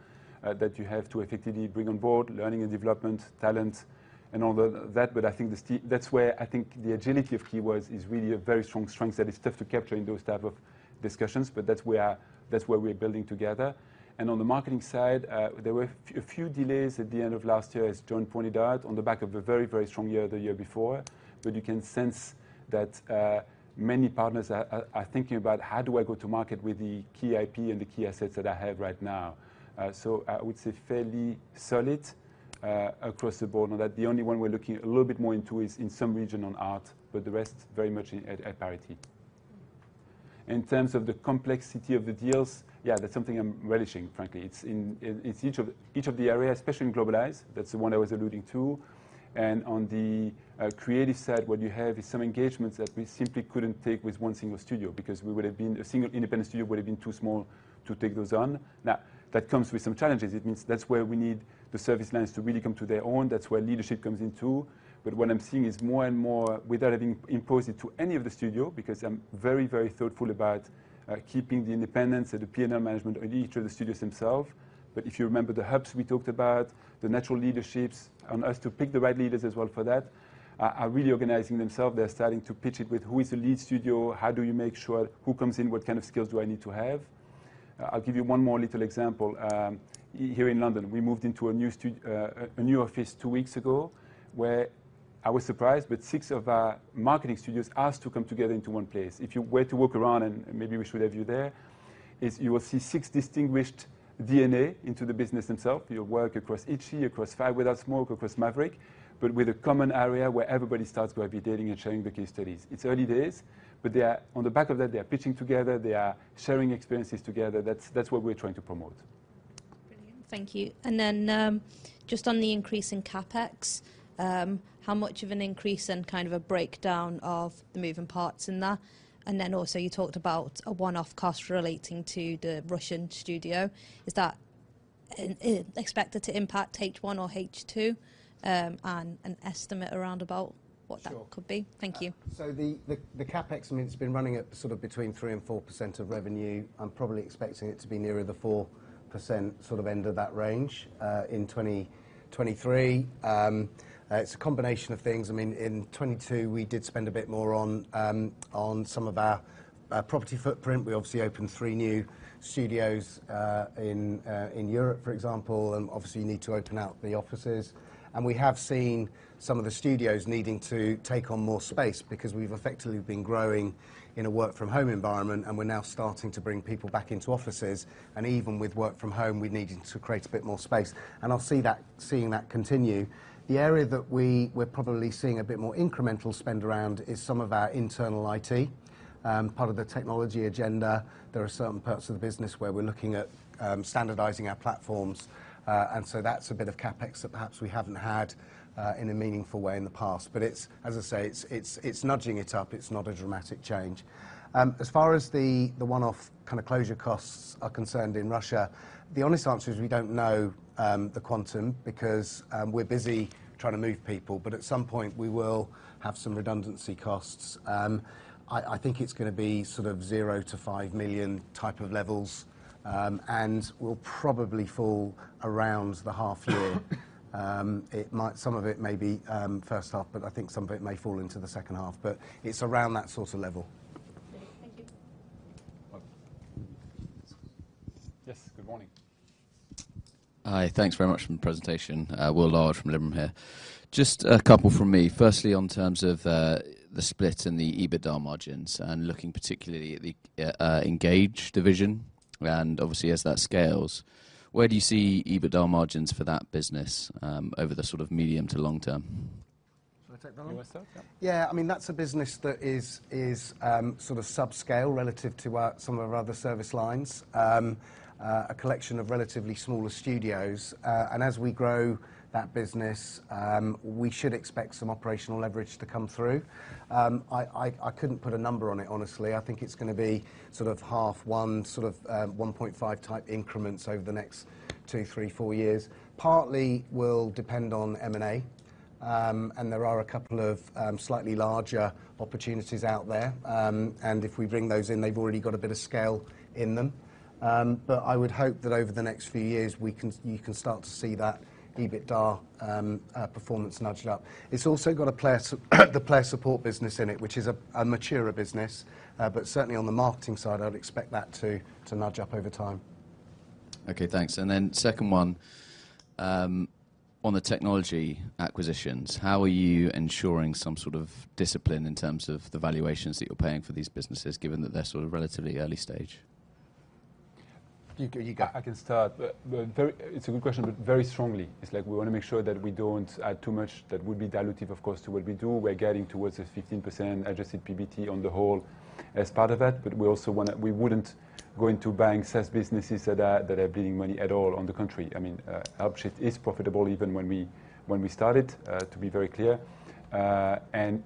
that you have to effectively bring on board, learning and development, talent and all the, that. I think that's where I think the agility of Keywords is really a very strong strength that is tough to capture in those type of discussions. That's where, that's where we're building together. On the marketing side, there were a few delays at the end of last year, as John pointed out, on the back of a very, very strong year the year before. You can sense that many partners are thinking about how do I go to market with the key IP and the key assets that I have right now. I would say fairly solid across the board. Now that the only one we're looking a little bit more into is in some region on art, but the rest very much at parity. In terms of the complexity of the deals, yeah, that's something I'm relishing, frankly. It's each of the areas, especially in Globalize, that's the one I was alluding to. On the creative side, what you have is some engagements that we simply couldn't take with one single studio because a single independent studio would have been too small to take those on. Now, that comes with some challenges. It means that's where we need the service lines to really come to their own. That's where leadership comes in too. What I'm seeing is more and more without having imposed it to any of the studio, because I'm very, very thoughtful about keeping the independence and the P&L management on each of the studios themselves. If you remember the hubs we talked about, the natural leaderships on us to pick the right leaders as well for that, are really organizing themselves. They're starting to pitch it with who is the lead studio? How do you make sure who comes in? What kind of skills do I need to have? I'll give you one more little example. Here in London, we moved into a new office two weeks ago where I was surprised, six of our marketing studios asked to come together into one place. If you were to walk around, and maybe we should have you there, is you will see six distinguished DNA into the business themselves. You work across Itchy, across Fire Without Smoke, across Maverick, with a common area where everybody starts by visiting and sharing the case studies. It's early days, but they are on the back of that, they are pitching together. They are sharing experiences together. That's what we're trying to promote. Brilliant. Thank you. Just on the increase in CapEx, how much of an increase and kind of a breakdown of the moving parts in that? You talked about a one-off cost relating to the Russian studio. Is that expected to impact H1 or H2? And an estimate around about what that? Sure. could be. Thank you. The CapEx, I mean, it's been running at sort of between 3% and 4% of revenue. I'm probably expecting it to be nearer the 4% sort of end of that range in 2023. It's a combination of things. I mean, in 2022 we did spend a bit more on some of our property footprint. We obviously opened 3 new studios in Europe, for example, and obviously you need to open up the offices. We have seen some of the studios needing to take on more space because we've effectively been growing in a work from home environment, and we're now starting to bring people back into offices. Even with work from home, we needed to create a bit more space. I'll see that continue. The area that we're probably seeing a bit more incremental spend around is some of our internal IT, part of the technology agenda. There are some parts of the business where we're looking at standardizing our platforms. That's a bit of CapEx that perhaps we haven't had in a meaningful way in the past. It's, as I say, it's nudging it up. It's not a dramatic change. As far as the one-off kinda closure costs are concerned in Russia, the honest answer is we don't know the quantum because we're busy trying to move people. At some point, we will have some redundancy costs. I think it's gonna be sort of 0 to 5 million type of levels and will probably fall around the half year. It might some of it may be, H1, I think some of it may fall into the H2. It's around that sort of level. Thank you. Welcome. Yes. Good morning. Hi. Thanks very much for the presentation. Will Large from Liberum here. Just a couple from me. Firstly, on terms of the split in the EBITDA margins and looking particularly at the Engage division and obviously as that scales, where do you see EBITDA margins for that business over the sort of medium to long term? You want to start? Yeah. Yeah, I mean, that's a business that is sort of subscale relative to some of our other service lines. A collection of relatively smaller studios. As we grow that business, we should expect some operational leverage to come through. I couldn't put a number on it, honestly, I think it's gonna be sort of half one, sort of 1.5 type increments over the next two, three, four years. Partly will depend on M&A. There are a couple of slightly larger opportunities out there. If we bring those in, they've already got a bit of scale in them. I would hope that over the next few years, you can start to see that EBITDA performance nudged up. It's also got a player support business in it, which is a maturer business. Certainly on the marketing side, I'd expect that to nudge up over time. Okay. Thanks. Second one, on the technology acquisitions, how are you ensuring some sort of discipline in terms of the valuations that you're paying for these businesses, given that they're sort of relatively early stage? You go. I can start. It's a good question, but very strongly. It's like we wanna make sure that we don't add too much. That would be dilutive, of course, to what we do. We're getting towards a 15% Adjusted PBT on the whole as part of that. We also wanna we wouldn't go into buying SaaS businesses that are bleeding money at all on the country. I mean, Helpshift is profitable even when we started to be very clear.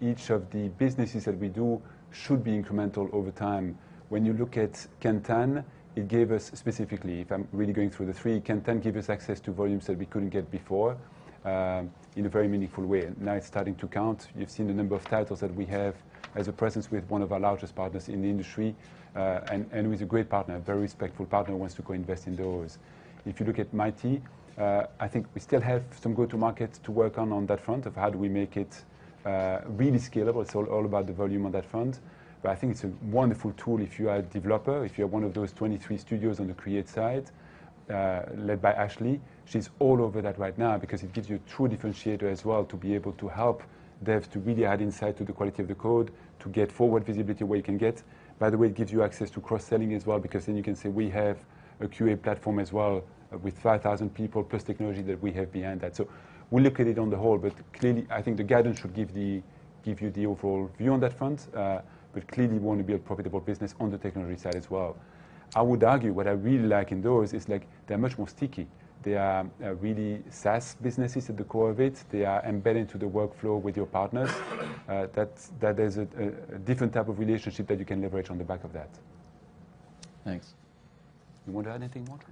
Each of the businesses that we do should be incremental over time. When you look at Kantan, it gave us specifically, if I'm really going through the three, Kantan gave us access to volumes that we couldn't get before in a very meaningful way. Now it's starting to count. You've seen the number of titles that we have as a presence with one of our largest partners in the industry, and who is a great partner, a very respectful partner, who wants to co-invest in those. If you look at Mighty, I think we still have some go-to-markets to work on on that front of how do we make it really scalable. It's all about the volume on that front. I think it's a wonderful tool if you are a developer, if you're one of those 23 studios on the Create side, led by Ashley. She's all over that right now because it gives you true differentiator as well to be able to help devs to really add insight to the quality of the code, to get forward visibility where you can get. It gives you access to cross-selling as well because then you can say we have a QA platform as well with 5,000 people plus technology that we have behind that. We look at it on the whole, but clearly, I think the guidance should give you the overall view on that front. Clearly we want to be a profitable business on the technology side as well. I would argue what I really like in those is like they're much more sticky. They are really SaaS businesses at the core of it. They are embedded into the workflow with your partners. That is a different type of relationship that you can leverage on the back of that. Thanks. You want to add anything, Walter?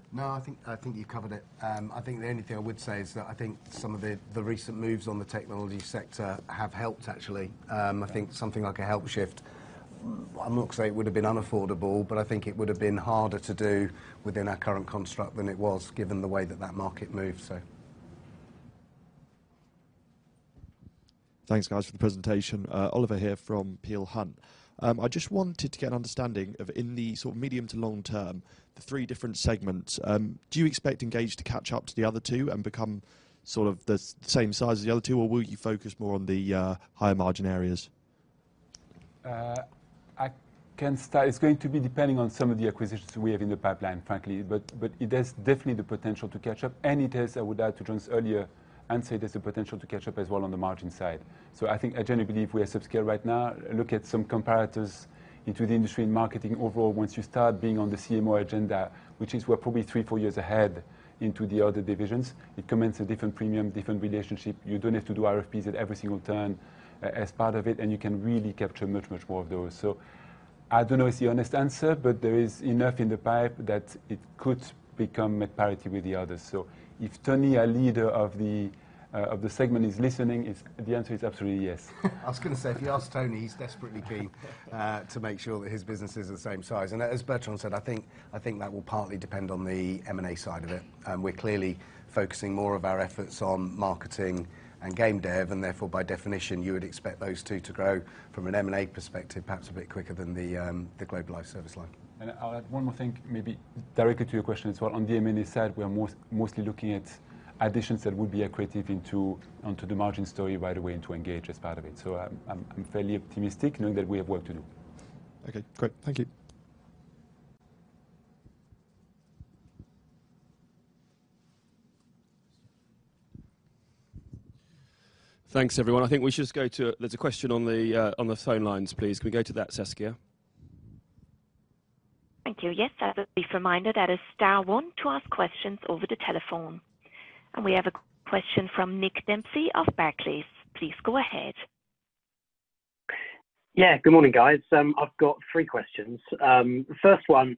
I think you covered it. I think the only thing I would say is that I think some of the recent moves on the technology sector have helped actually. I think something like a Helpshift, I'm not gonna say it would've been unaffordable, but I think it would've been harder to do within our current construct than it was given the way that that market moves so. Thanks guys for the presentation. Oliver here from Peel Hunt. I just wanted to get an understanding of in the sort of medium to long term, the three different segments. Do you expect Engage to catch up to the other two and become sort of the same size as the other two, or will you focus more on the higher margin areas? I can start. It's going to be depending on some of the acquisitions we have in the pipeline, frankly. It has definitely the potential to catch up. It has, I would add to John's earlier answer, there's a potential to catch up as well on the margin side. I think I generally believe we are subscale right now. Look at some comparators into the industry and marketing overall. Once you start being on the CMO agenda, which is we're probably three, four years ahead into the other divisions, it commands a different premium, different relationship. You don't have to do RFPs at every single turn as part of it, and you can really capture much, much more of those. I don't know it's the honest answer, but there is enough in the pipe that it could become at parity with the others. If Tony, our leader of the segment is listening, the answer is absolutely yes. I was gonna say, if you ask Tony, he's desperately keen to make sure that his business is the same size. As Bertrand said, I think, I think that will partly depend on the M&A side of it. We're clearly focusing more of our efforts on marketing and game dev, and therefore by definition, you would expect those two to grow from an M&A perspective, perhaps a bit quicker than the Globalize service line. I'll add one more thing, maybe directly to your question as well. On the M&A side, we are mostly looking at additions that would be accretive onto the margin story right away into Engage as part of it. I'm fairly optimistic knowing that we have work to do. Okay, great. Thank you. Thanks, everyone. I think we should just go to. There's a question on the phone lines, please. Can we go to that, Saskia? Thank you. Yes. As a brief reminder, that is star one to ask questions over the telephone. We have a question from Nick Dempsey of Barclays. Please go ahead. Yeah. Good morning, guys. I've got three questions. The first one,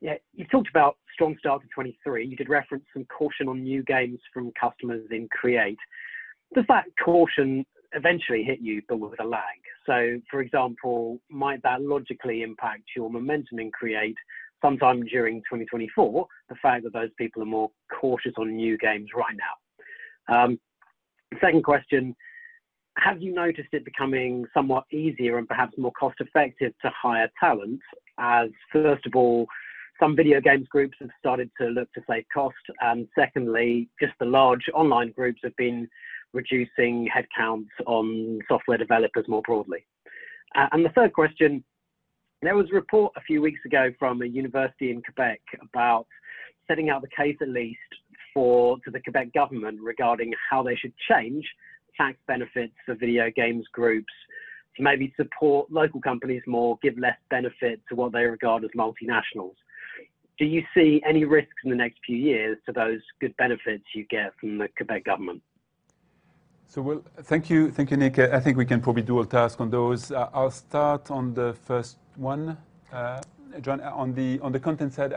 yeah, you talked about strong start to 2023. You did reference some caution on new games from customers in Create. Does that caution eventually hit you but with a lag? For example, might that logically impact your momentum in Create sometime during 2024, the fact that those people are more cautious on new games right now? Second question, have you noticed it becoming somewhat easier and perhaps more cost-effective to hire talent as, first of all, some video games groups have started to look to save cost, and secondly, just the large online groups have been reducing headcounts on software developers more broadly? The third question. There was a report a few weeks ago from a university in Quebec about setting out the case, at least, to the Quebec government regarding how they should change tax benefits for video games groups to maybe support local companies more, give less benefit to what they regard as multinationals. Do you see any risks in the next few years to those good benefits you get from the Quebec government? Well, thank you. Thank you, Nick. I think we can probably do a task on those. I'll start on the first one. John, on the content side,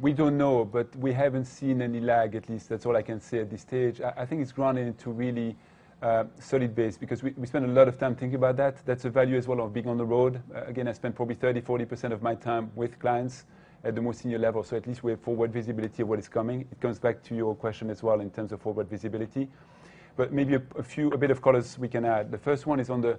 we don't know, but we haven't seen any lag. At least that's all I can say at this stage. I think it's grown into really a solid base because we spend a lot of time thinking about that. That's a value as well of being on the road. Again, I spend probably 30%, 40% of my time with clients at the more senior level. At least we have forward visibility of what is coming. It comes back to your question as well in terms of forward visibility. Maybe a bit of colors we can add. The first one is on the.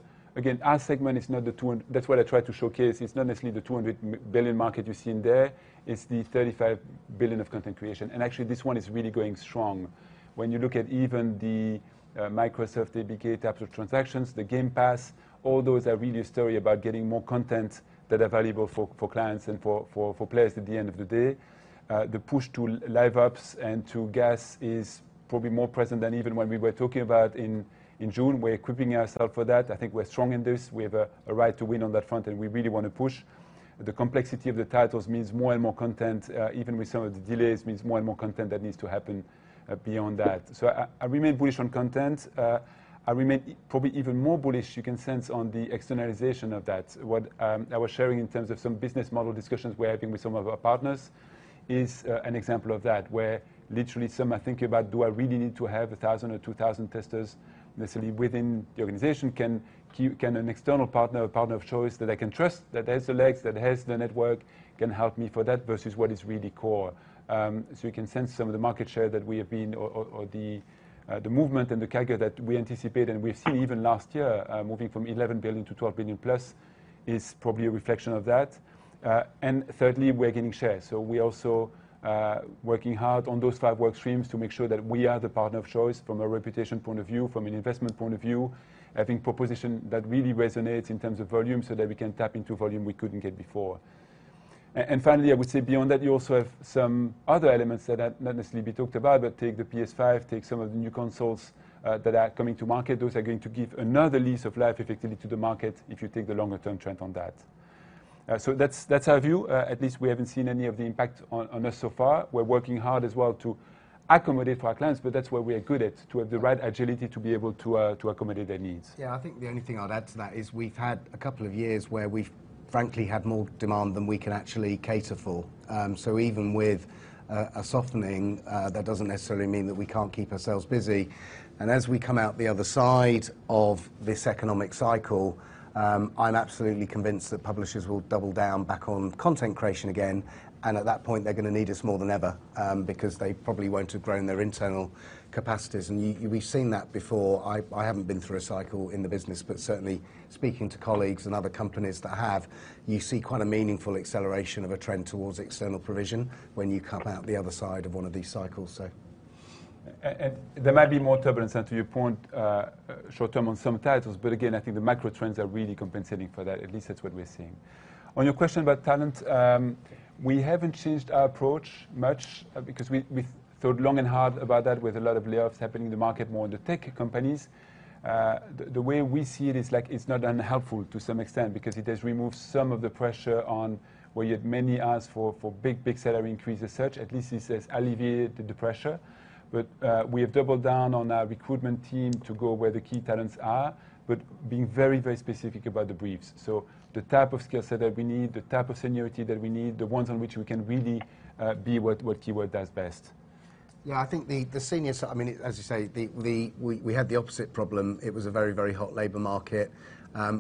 Our segment is not. That's what I try to showcase. It's not necessarily the $200 billion market you see in there. It's the $35 billion of content creation. Actually, this one is really going strong. When you look at even the Microsoft, ABK types of transactions, the Game Pass, all those are really a story about getting more content that are valuable for clients and for players at the end of the day. The push to Live Ops and to GaaS is probably more present than even when we were talking about in June. We're equipping ourself for that. I think we're strong in this. We have a right to win on that front. We really wanna push. The complexity of the titles means more and more content, even with some of the delays, means more and more content that needs to happen beyond that. I remain bullish on content. I remain probably even more bullish, you can sense, on the externalization of that. What I was sharing in terms of some business model discussions we're having with some of our partners is an example of that, where literally some are thinking about, "Do I really need to have 1,000 or 2,000 testers necessarily within the organization? Can an external partner, a partner of choice that I can trust, that has the legs, that has the network, can help me for that versus what is really core? You can sense some of the market share that we have been or the movement and the CAGR that we anticipate, and we've seen even last year, moving from 11 to 12 billion-plus is probably a reflection of that. Thirdly, we're gaining share. We're also working hard on those 5 work streams to make sure that we are the partner of choice from a reputation point of view, from an investment point of view, having proposition that really resonates in terms of volume, so that we can tap into volume we couldn't get before. Finally, I would say beyond that, you also have some other elements that have not necessarily been talked about, but take the PS5, take some of the new consoles that are coming to market. Those are going to give another lease of life effectively to the market if you take the longer-term trend on that. That's our view. At least we haven't seen any of the impact on us so far. We're working hard as well to accommodate for our clients, but that's where we are good at, to have the right agility to be able to accommodate their needs. Yeah. I think the only thing I'll add to that is we've had a couple of years where we've frankly had more demand than we can actually cater for. Even with a softening, that doesn't necessarily mean that we can't keep ourselves busy. As we come out the other side of this economic cycle, I'm absolutely convinced that publishers will double down back on content creation again. At that point, they're gonna need us more than ever, because they probably won't have grown their internal capacities. We've seen that before. I haven't been through a cycle in the business, but certainly speaking to colleagues and other companies that have, you see quite a meaningful acceleration of a trend towards external provision when you come out the other side of one of these cycles. There might be more turbulence and to your point, short-term on some titles, but again, I think the macro trends are really compensating for that. At least that's what we're seeing. On your question about talent, we haven't changed our approach much because we thought long and hard about that with a lot of layoffs happening in the market, more in the tech companies. The way we see it is like it's not unhelpful to some extent because it has removed some of the pressure on where you had many asks for big salary increases, such. At least this has alleviated the pressure. We have doubled down on our recruitment team to go where the key talents are, but being very, very specific about the briefs. The type of skill set that we need, the type of seniority that we need, the ones on which we can really, be what Keywords does best. Yeah. I think the senior, I mean, as you say, we had the opposite problem. It was a very, very hot labor market.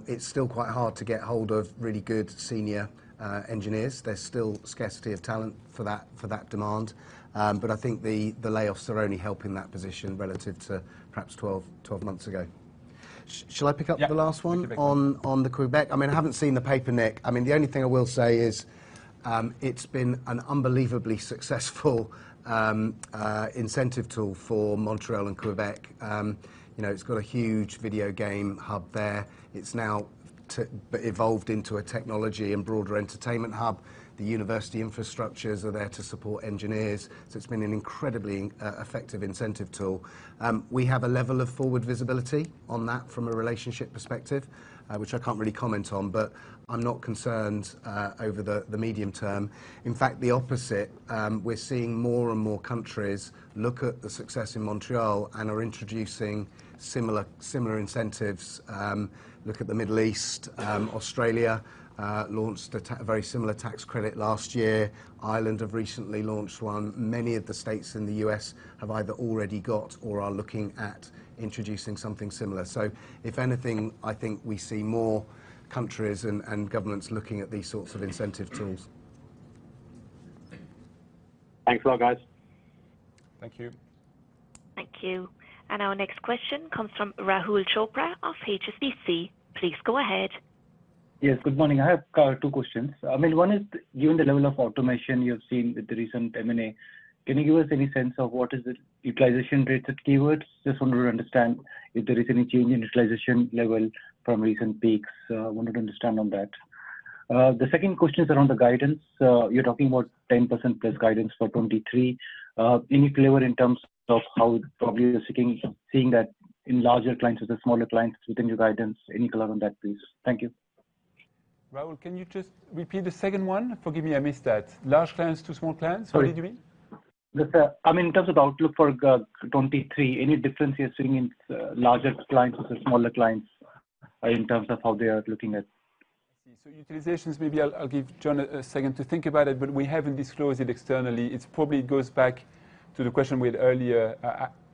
It's still quite hard to get hold of really good senior engineers. There's still scarcity of talent for that demand. I think the layoffs are only helping that position relative to perhaps 12 months ago. Shall I pick up the last one? Yeah. Thank you very much. On the Quebec? I mean, I haven't seen the paper, Nick. I mean, the only thing I will say is, it's been an unbelievably successful incentive tool for Montreal and Quebec. You know, it's got a huge video game hub there. It's now evolved into a technology and broader entertainment hub. The university infrastructures are there to support engineers, so it's been an incredibly effective incentive tool. We have a level of forward visibility on that from a relationship perspective, which I can't really comment on, but I'm not concerned over the medium term. In fact, the opposite. We're seeing more and more countries look at the success in Montreal and are introducing similar incentives. Look at the Middle East. Australia launched a very similar tax credit last year. Ireland have recently launched one. Many of the states in the U.S. have either already got or are looking at introducing something similar. If anything, I think we see more countries and governments looking at these sorts of incentive tools. Thanks a lot, guys. Thank you. Thank you. Our next question comes from Rahul Chopra of HSBC. Please go ahead. Yes, good morning. I have two questions. I mean, one is, given the level of automation you have seen with the recent M&A, can you give us any sense of what is the utilization rates at Keywords? Just want to understand if there is any change in utilization level from recent peaks. Wanted to understand on that. The second question is around the guidance. You're talking about 10% plus guidance for 23. Any color in terms of how probably you're seeing that in larger clients or the smaller clients within your guidance? Any color on that, please? Thank you. Raoul, can you just repeat the second one? Forgive me, I missed that. Large clients to small clients? Sorry. What did you mean? Look, sir, I mean, in terms of outlook for 2023, any difference you're seeing in larger clients versus smaller clients in terms of how they are looking at? I see. Utilizations, maybe I'll give John a second to think about it, but we haven't disclosed it externally. It probably goes back to the question we had earlier.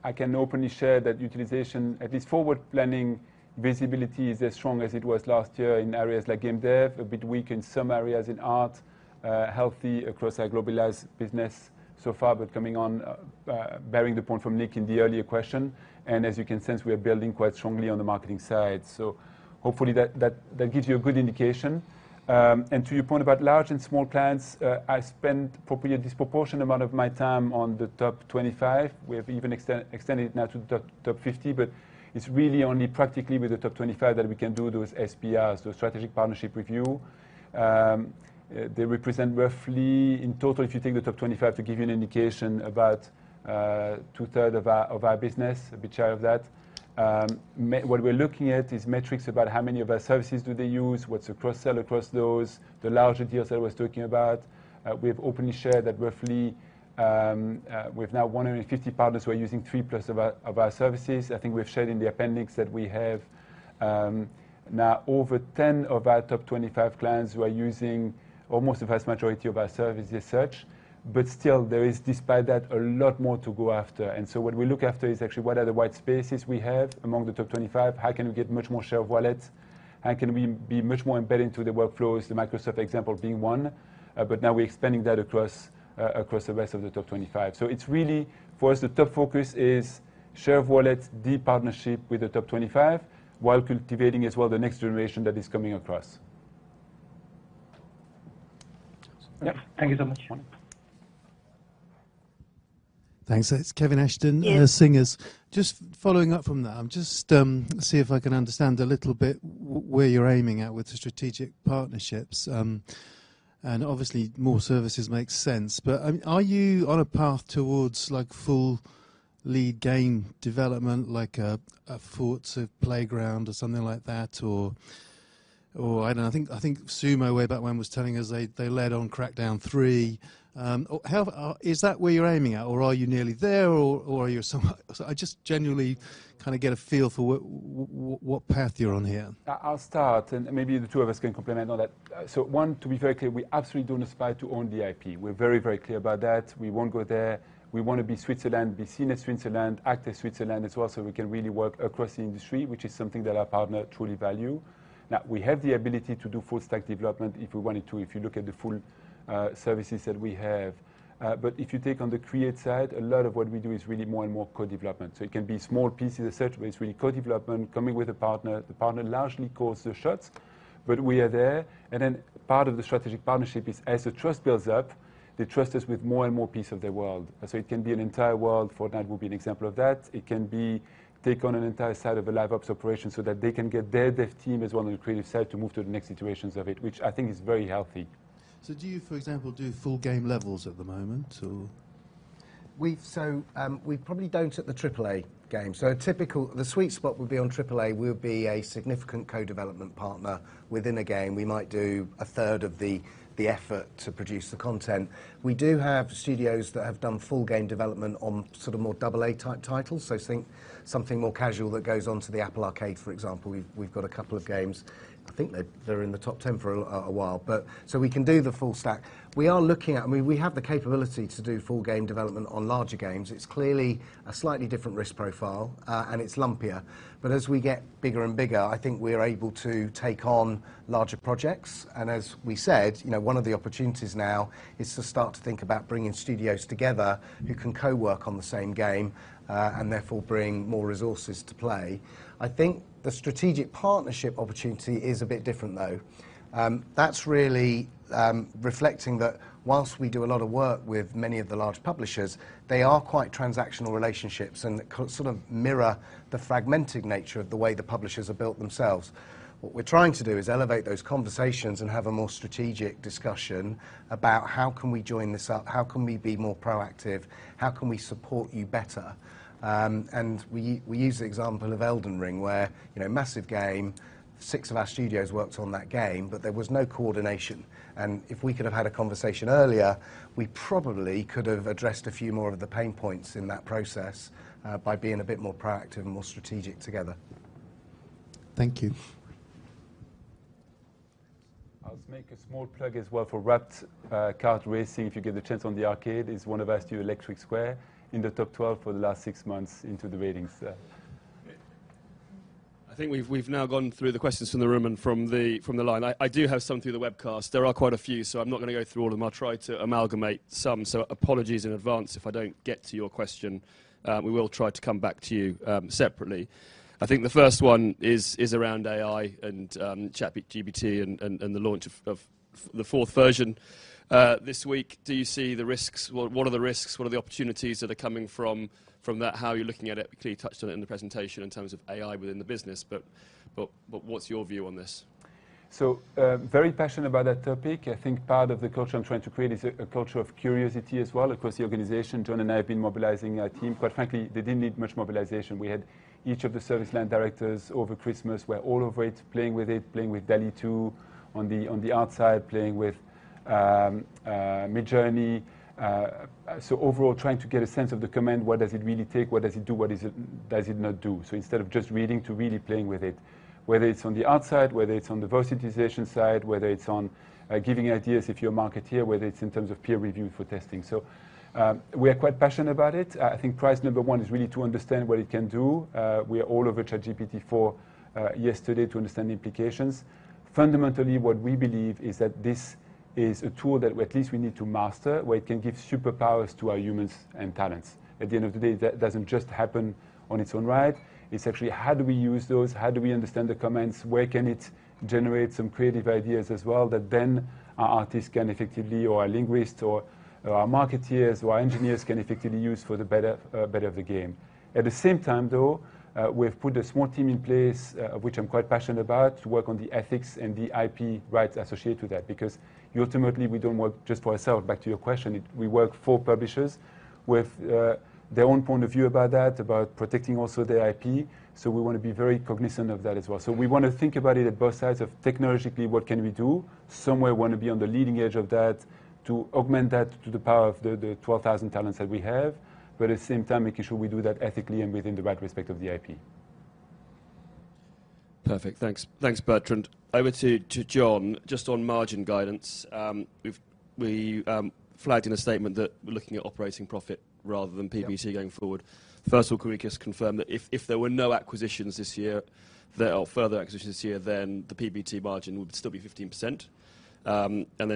I can openly share that utilization, at least forward planning visibility is as strong as it was last year in areas like game dev, a bit weak in some areas in art, healthy across our Globalize business so far. Coming on, bearing the point from Nick in the earlier question, and as you can sense, we are building quite strongly on the marketing side. Hopefully that gives you a good indication. To your point about large and small clients, I spend probably a disproportionate amount of my time on the top 25. We have even extended it now to the top 50, it's really only practically with the top 25 that we can do those SPRs, those strategic partnership review. They represent roughly, in total, if you take the top 25 to give you an indication, about two-third of our, of our business, a bit shy of that. What we're looking at is metrics about how many of our services do they use, what's the cross-sell across those, the larger deals I was talking about. We've openly shared that roughly, we've now 150 partners who are using three plus of our, of our services. I think we've shared in the appendix that we have, now over 10 of our top 25 clients who are using almost the vast majority of our services as such, but still there is, despite that, a lot more to go after. What we look after is actually what are the white spaces we have among the top 25? How can we get much more share of wallet? How can we be much more embedded into the workflows, the Microsoft example being 1, but now we're expanding that across the rest of the top 25. It's really, for us, the top focus is share of wallet, deep partnership with the top 25 while cultivating as well the next generation that is coming across. Yeah. Thank you so much. You're welcome. Thanks. It's Kevin Ashton. Yes. Singers. Just following up from that, I'm just see if I can understand a little bit where you're aiming at with the strategic partnerships. Obviously more services make sense, but, I mean, are you on a path towards like full lead game development, like a Fort or Playground Games or something like that? I don't know. I think Sumo, way back when, was telling us they led on Crackdown 3. Is that where you're aiming at? Are you nearly there? Are you somewhat. I just genuinely kind a get a feel for what path you're on here. I'll start and maybe the two of us can complement on that. To be very clear, we absolutely don't aspire to own the IP. We're very, very clear about that. We won't go there. We wanna be Switzerland, be seen as Switzerland, act as Switzerland as well, so we can really work across the industry, which is something that our partner truly value. Now, we have the ability to do full stack development if we wanted to, if you look at the full services that we have. If you take on the Create side, a lot of what we do is really more and more co-development. It can be small pieces as such, but it's really co-development, coming with a partner. The partner largely calls the shots, but we are there. Part of the strategic partnership is as the trust builds up, they trust us with more and more piece of their world. It can be an entire world, Fortnite would be an example of that. It can be take on an entire side of a Live Ops operation so that they can get their dev team as well on the creative side to move to the next iterations of it, which I think is very healthy. Do you, for example, do full game levels at the moment or? We probably don't at the AAA game. The sweet spot would be on AAA. We would be a significant co-development partner within a game. We might do a third of the effort to produce the content. We do have studios that have done full game development on sort of more AA type titles. Think something more casual that goes onto the Apple Arcade, for example. We've got a couple of games. I think they're in the top 10 for a while. We can do the full stack. I mean, we have the capability to do full game development on larger games. It's clearly a slightly different risk profile, and it's lumpier. As we get bigger and bigger, I think we're able to take on larger projects. As we said, you know, one of the opportunities now is to start to think about bringing studios together who can co-work on the same game, and therefore bring more resources to play. I think the strategic partnership opportunity is a bit different, though. That's really reflecting that whilst we do a lot of work with many of the large publishers, they are quite transactional relationships and sort of mirror the fragmented nature of the way the publishers are built themselves. What we're trying to do is elevate those conversations and have a more strategic discussion about how can we join this up? How can we be more proactive? How can we support you better? We use the example of Elden Ring where, you know, massive game, six of our studios worked on that game, but there was no coordination. If we could have had a conversation earlier, we probably could have addressed a few more of the pain points in that process, by being a bit more proactive and more strategic together. Thank you. I'll just make a small plug as well for Warped Kart Racing, if you get the chance, on the Arcade. It's one of our studio, Electric Square, in the top 12 for the last 6 months into the ratings there. I think we've now gone through the questions from the room and from the line. I do have some through the webcast. There are quite a few, I'm not gonna go through all of them. I'll try to amalgamate some. Apologies in advance if I don't get to your question. We will try to come back to you separately. I think the first one is around AI and ChatGPT and the launch of the fourth version this week, do you see the risks? What are the risks? What are the opportunities that are coming from that? How are you looking at it? You clearly touched on it in the presentation in terms of AI within the business, but what's your view on this? So very passionate about that topic. I think part of the culture I'm trying to create is a culture of curiosity as well. Of course, the organization, John and I have been mobilizing our team. Quite frankly, they didn't need much mobilization. We had each of the service line directors over Christmas. We're all over it, playing with it, playing with DALL-E 2 on the outside, playing with Midjourney. Overall trying to get a sense of the command. What does it really take? What does it do? What does it not do? Instead of just reading to really playing with it. Whether it's on the outside, whether it's on the localization side, whether it's on giving ideas if you're a marketeer, whether it's in terms of peer review for testing. We are quite passionate about it. I think prize number one is really to understand what it can do. We are all over GPT-4 yesterday to understand the implications. Fundamentally, what we believe is that this is a tool that at least we need to master, where it can give superpowers to our humans and talents. At the end of the day, that doesn't just happen on its own right. It's actually how do we use those? How do we understand the commands? Where can it generate some creative ideas as well that then our artists can effectively, or our linguists, or our marketeers, or our engineers can effectively use for the better of the game. At the same time though, we've put a small team in place, which I'm quite passionate about, to work on the ethics and the IP rights associated with that. Ultimately, we don't work just for ourselves. Back to your question, we work for publishers with their own point of view about that, about protecting also their IP. We wanna be very cognizant of that as well. We wanna think about it at both sides of technologically, what can we do? Somewhere we wanna be on the leading edge of that to augment that to the power of the 12,000 talents that we have, but at the same time, making sure we do that ethically and within the right respect of the IP. Perfect. Thanks, Bertrand. Over to John. Just on margin guidance, we flagged in a statement that we're looking at operating profit. Yep PBT going forward. First of all, can we just confirm that if there were no acquisitions this year, there are further acquisitions this year, then the PBT margin would still be 15%?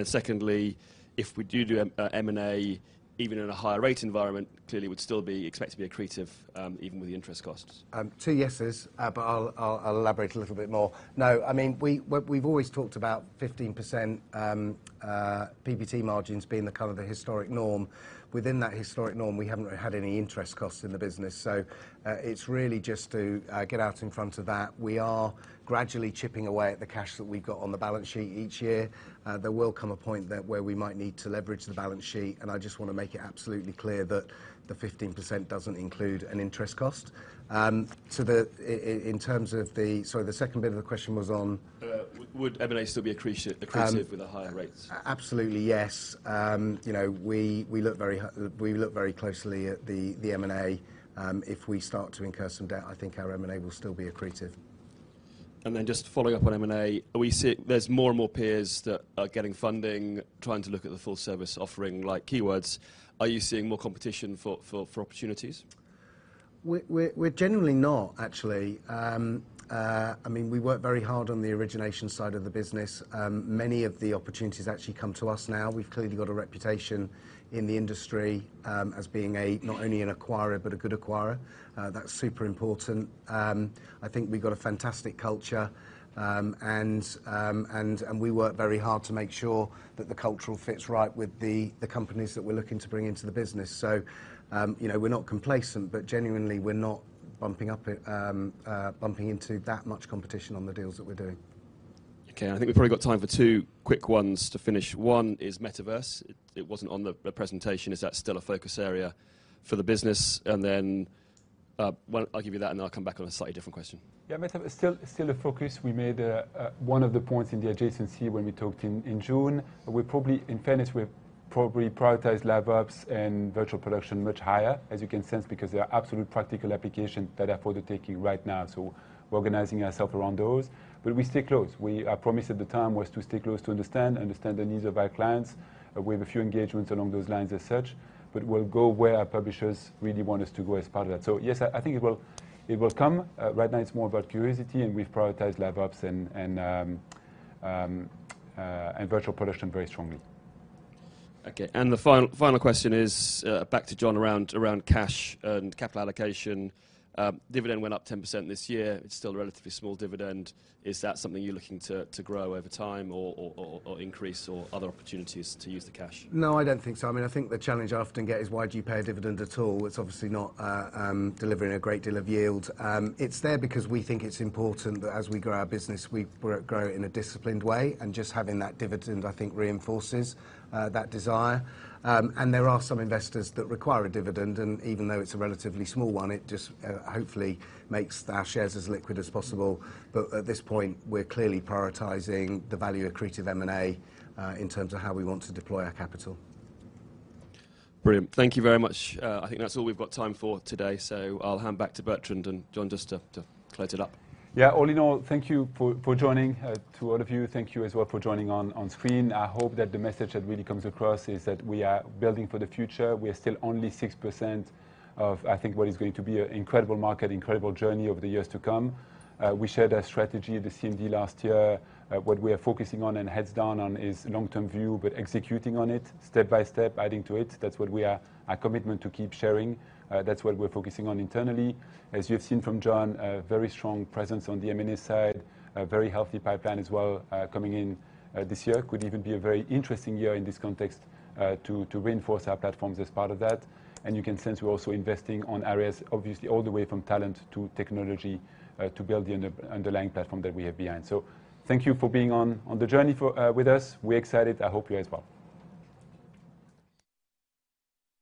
Secondly, if we do M&A even in a higher rate environment, clearly it would still be expected to be accretive, even with the interest costs. Two yeses. I'll elaborate a little bit more. No. I mean, we've always talked about 15% PBT margins being the kind of the historic norm. Within that historic norm, we haven't had any interest costs in the business. It's really just to get out in front of that. We are gradually chipping away at the cash that we've got on the balance sheet each year. There will come a point that where we might need to leverage the balance sheet. I just wanna make it absolutely clear that the 15% doesn't include an interest cost. In terms of the, sorry, the second bit of the question was on? Would M&A still be accretive with the higher rates? Absolutely, yes. We look very closely at the M&A. If we start to incur some debt, I think our M&A will still be accretive. Just following up on M&A, we see there's more and more peers that are getting funding, trying to look at the full service offering, like Keywords. Are you seeing more competition for opportunities? We're generally not, actually. I mean, we work very hard on the origination side of the business. Many of the opportunities actually come to us now. We've clearly got a reputation in the industry, as being a, not only an acquirer, but a good acquirer. That's super important. I think we've got a fantastic culture. We work very hard to make sure that the cultural fits right with the companies that we're looking to bring into the business. You know, we're not complacent, but genuinely we're not bumping up, bumping into that much competition on the deals that we're doing. Okay. I think we've probably got time for two quick ones to finish. One is metaverse. It wasn't on the presentation. Is that still a focus area for the business? Well, I'll give you that, and then I'll come back on a slightly different question. Yeah, Meta still a focus. We made one of the points in the adjacency when we talked in June. In fairness, we've probably prioritized lab ops and virtual production much higher, as you can sense, because they are absolute practical applications that are for the taking right now. We're organizing ourself around those. We stay close. Our promise at the time was to stay close to understand the needs of our clients. We have a few engagements along those lines as such, but we'll go where our publishers really want us to go as part of that. Yes, I think it will come. Right now, it's more about curiosity, and we've prioritized lab ops and virtual production very strongly. Okay. The final question is back to John around cash and capital allocation. Dividend went up 10% this year. It's still a relatively small dividend. Is that something you're looking to grow over time or increase or other opportunities to use the cash? No, I don't think so. I mean, I think the challenge I often get is why do you pay a dividend at all? It's obviously not delivering a great deal of yield. It's there because we think it's important that as we grow our business, we grow it in a disciplined way. Just having that dividend, I think, reinforces that desire. There are some investors that require a dividend, and even though it's a relatively small one, it just hopefully makes our shares as liquid as possible. At this point, we're clearly prioritizing the value accretive M&A in terms of how we want to deploy our capital. Brilliant. Thank you very much. I think that's all we've got time for today. I'll hand back to Bertrand and John just to close it up. All in all, thank you for joining. To all of you, thank you as well for joining on screen. I hope that the message that really comes across is that we are building for the future. We are still only 6% of, I think, what is going to be an incredible market, incredible journey over the years to come. We shared our strategy at the CMD last year. What we are focusing on and heads down on is long-term view, but executing on it step by step, adding to it. That's our commitment to keep sharing. That's what we're focusing on internally. As you have seen from John, a very strong presence on the M&A side, a very healthy pipeline as well, coming in this year. Could even be a very interesting year in this context to reinforce our platforms as part of that. You can sense we're also investing on areas, obviously, all the way from talent to technology to build the underlying platform that we have behind. Thank you for being on the journey with us. We're excited. I hope you are as well.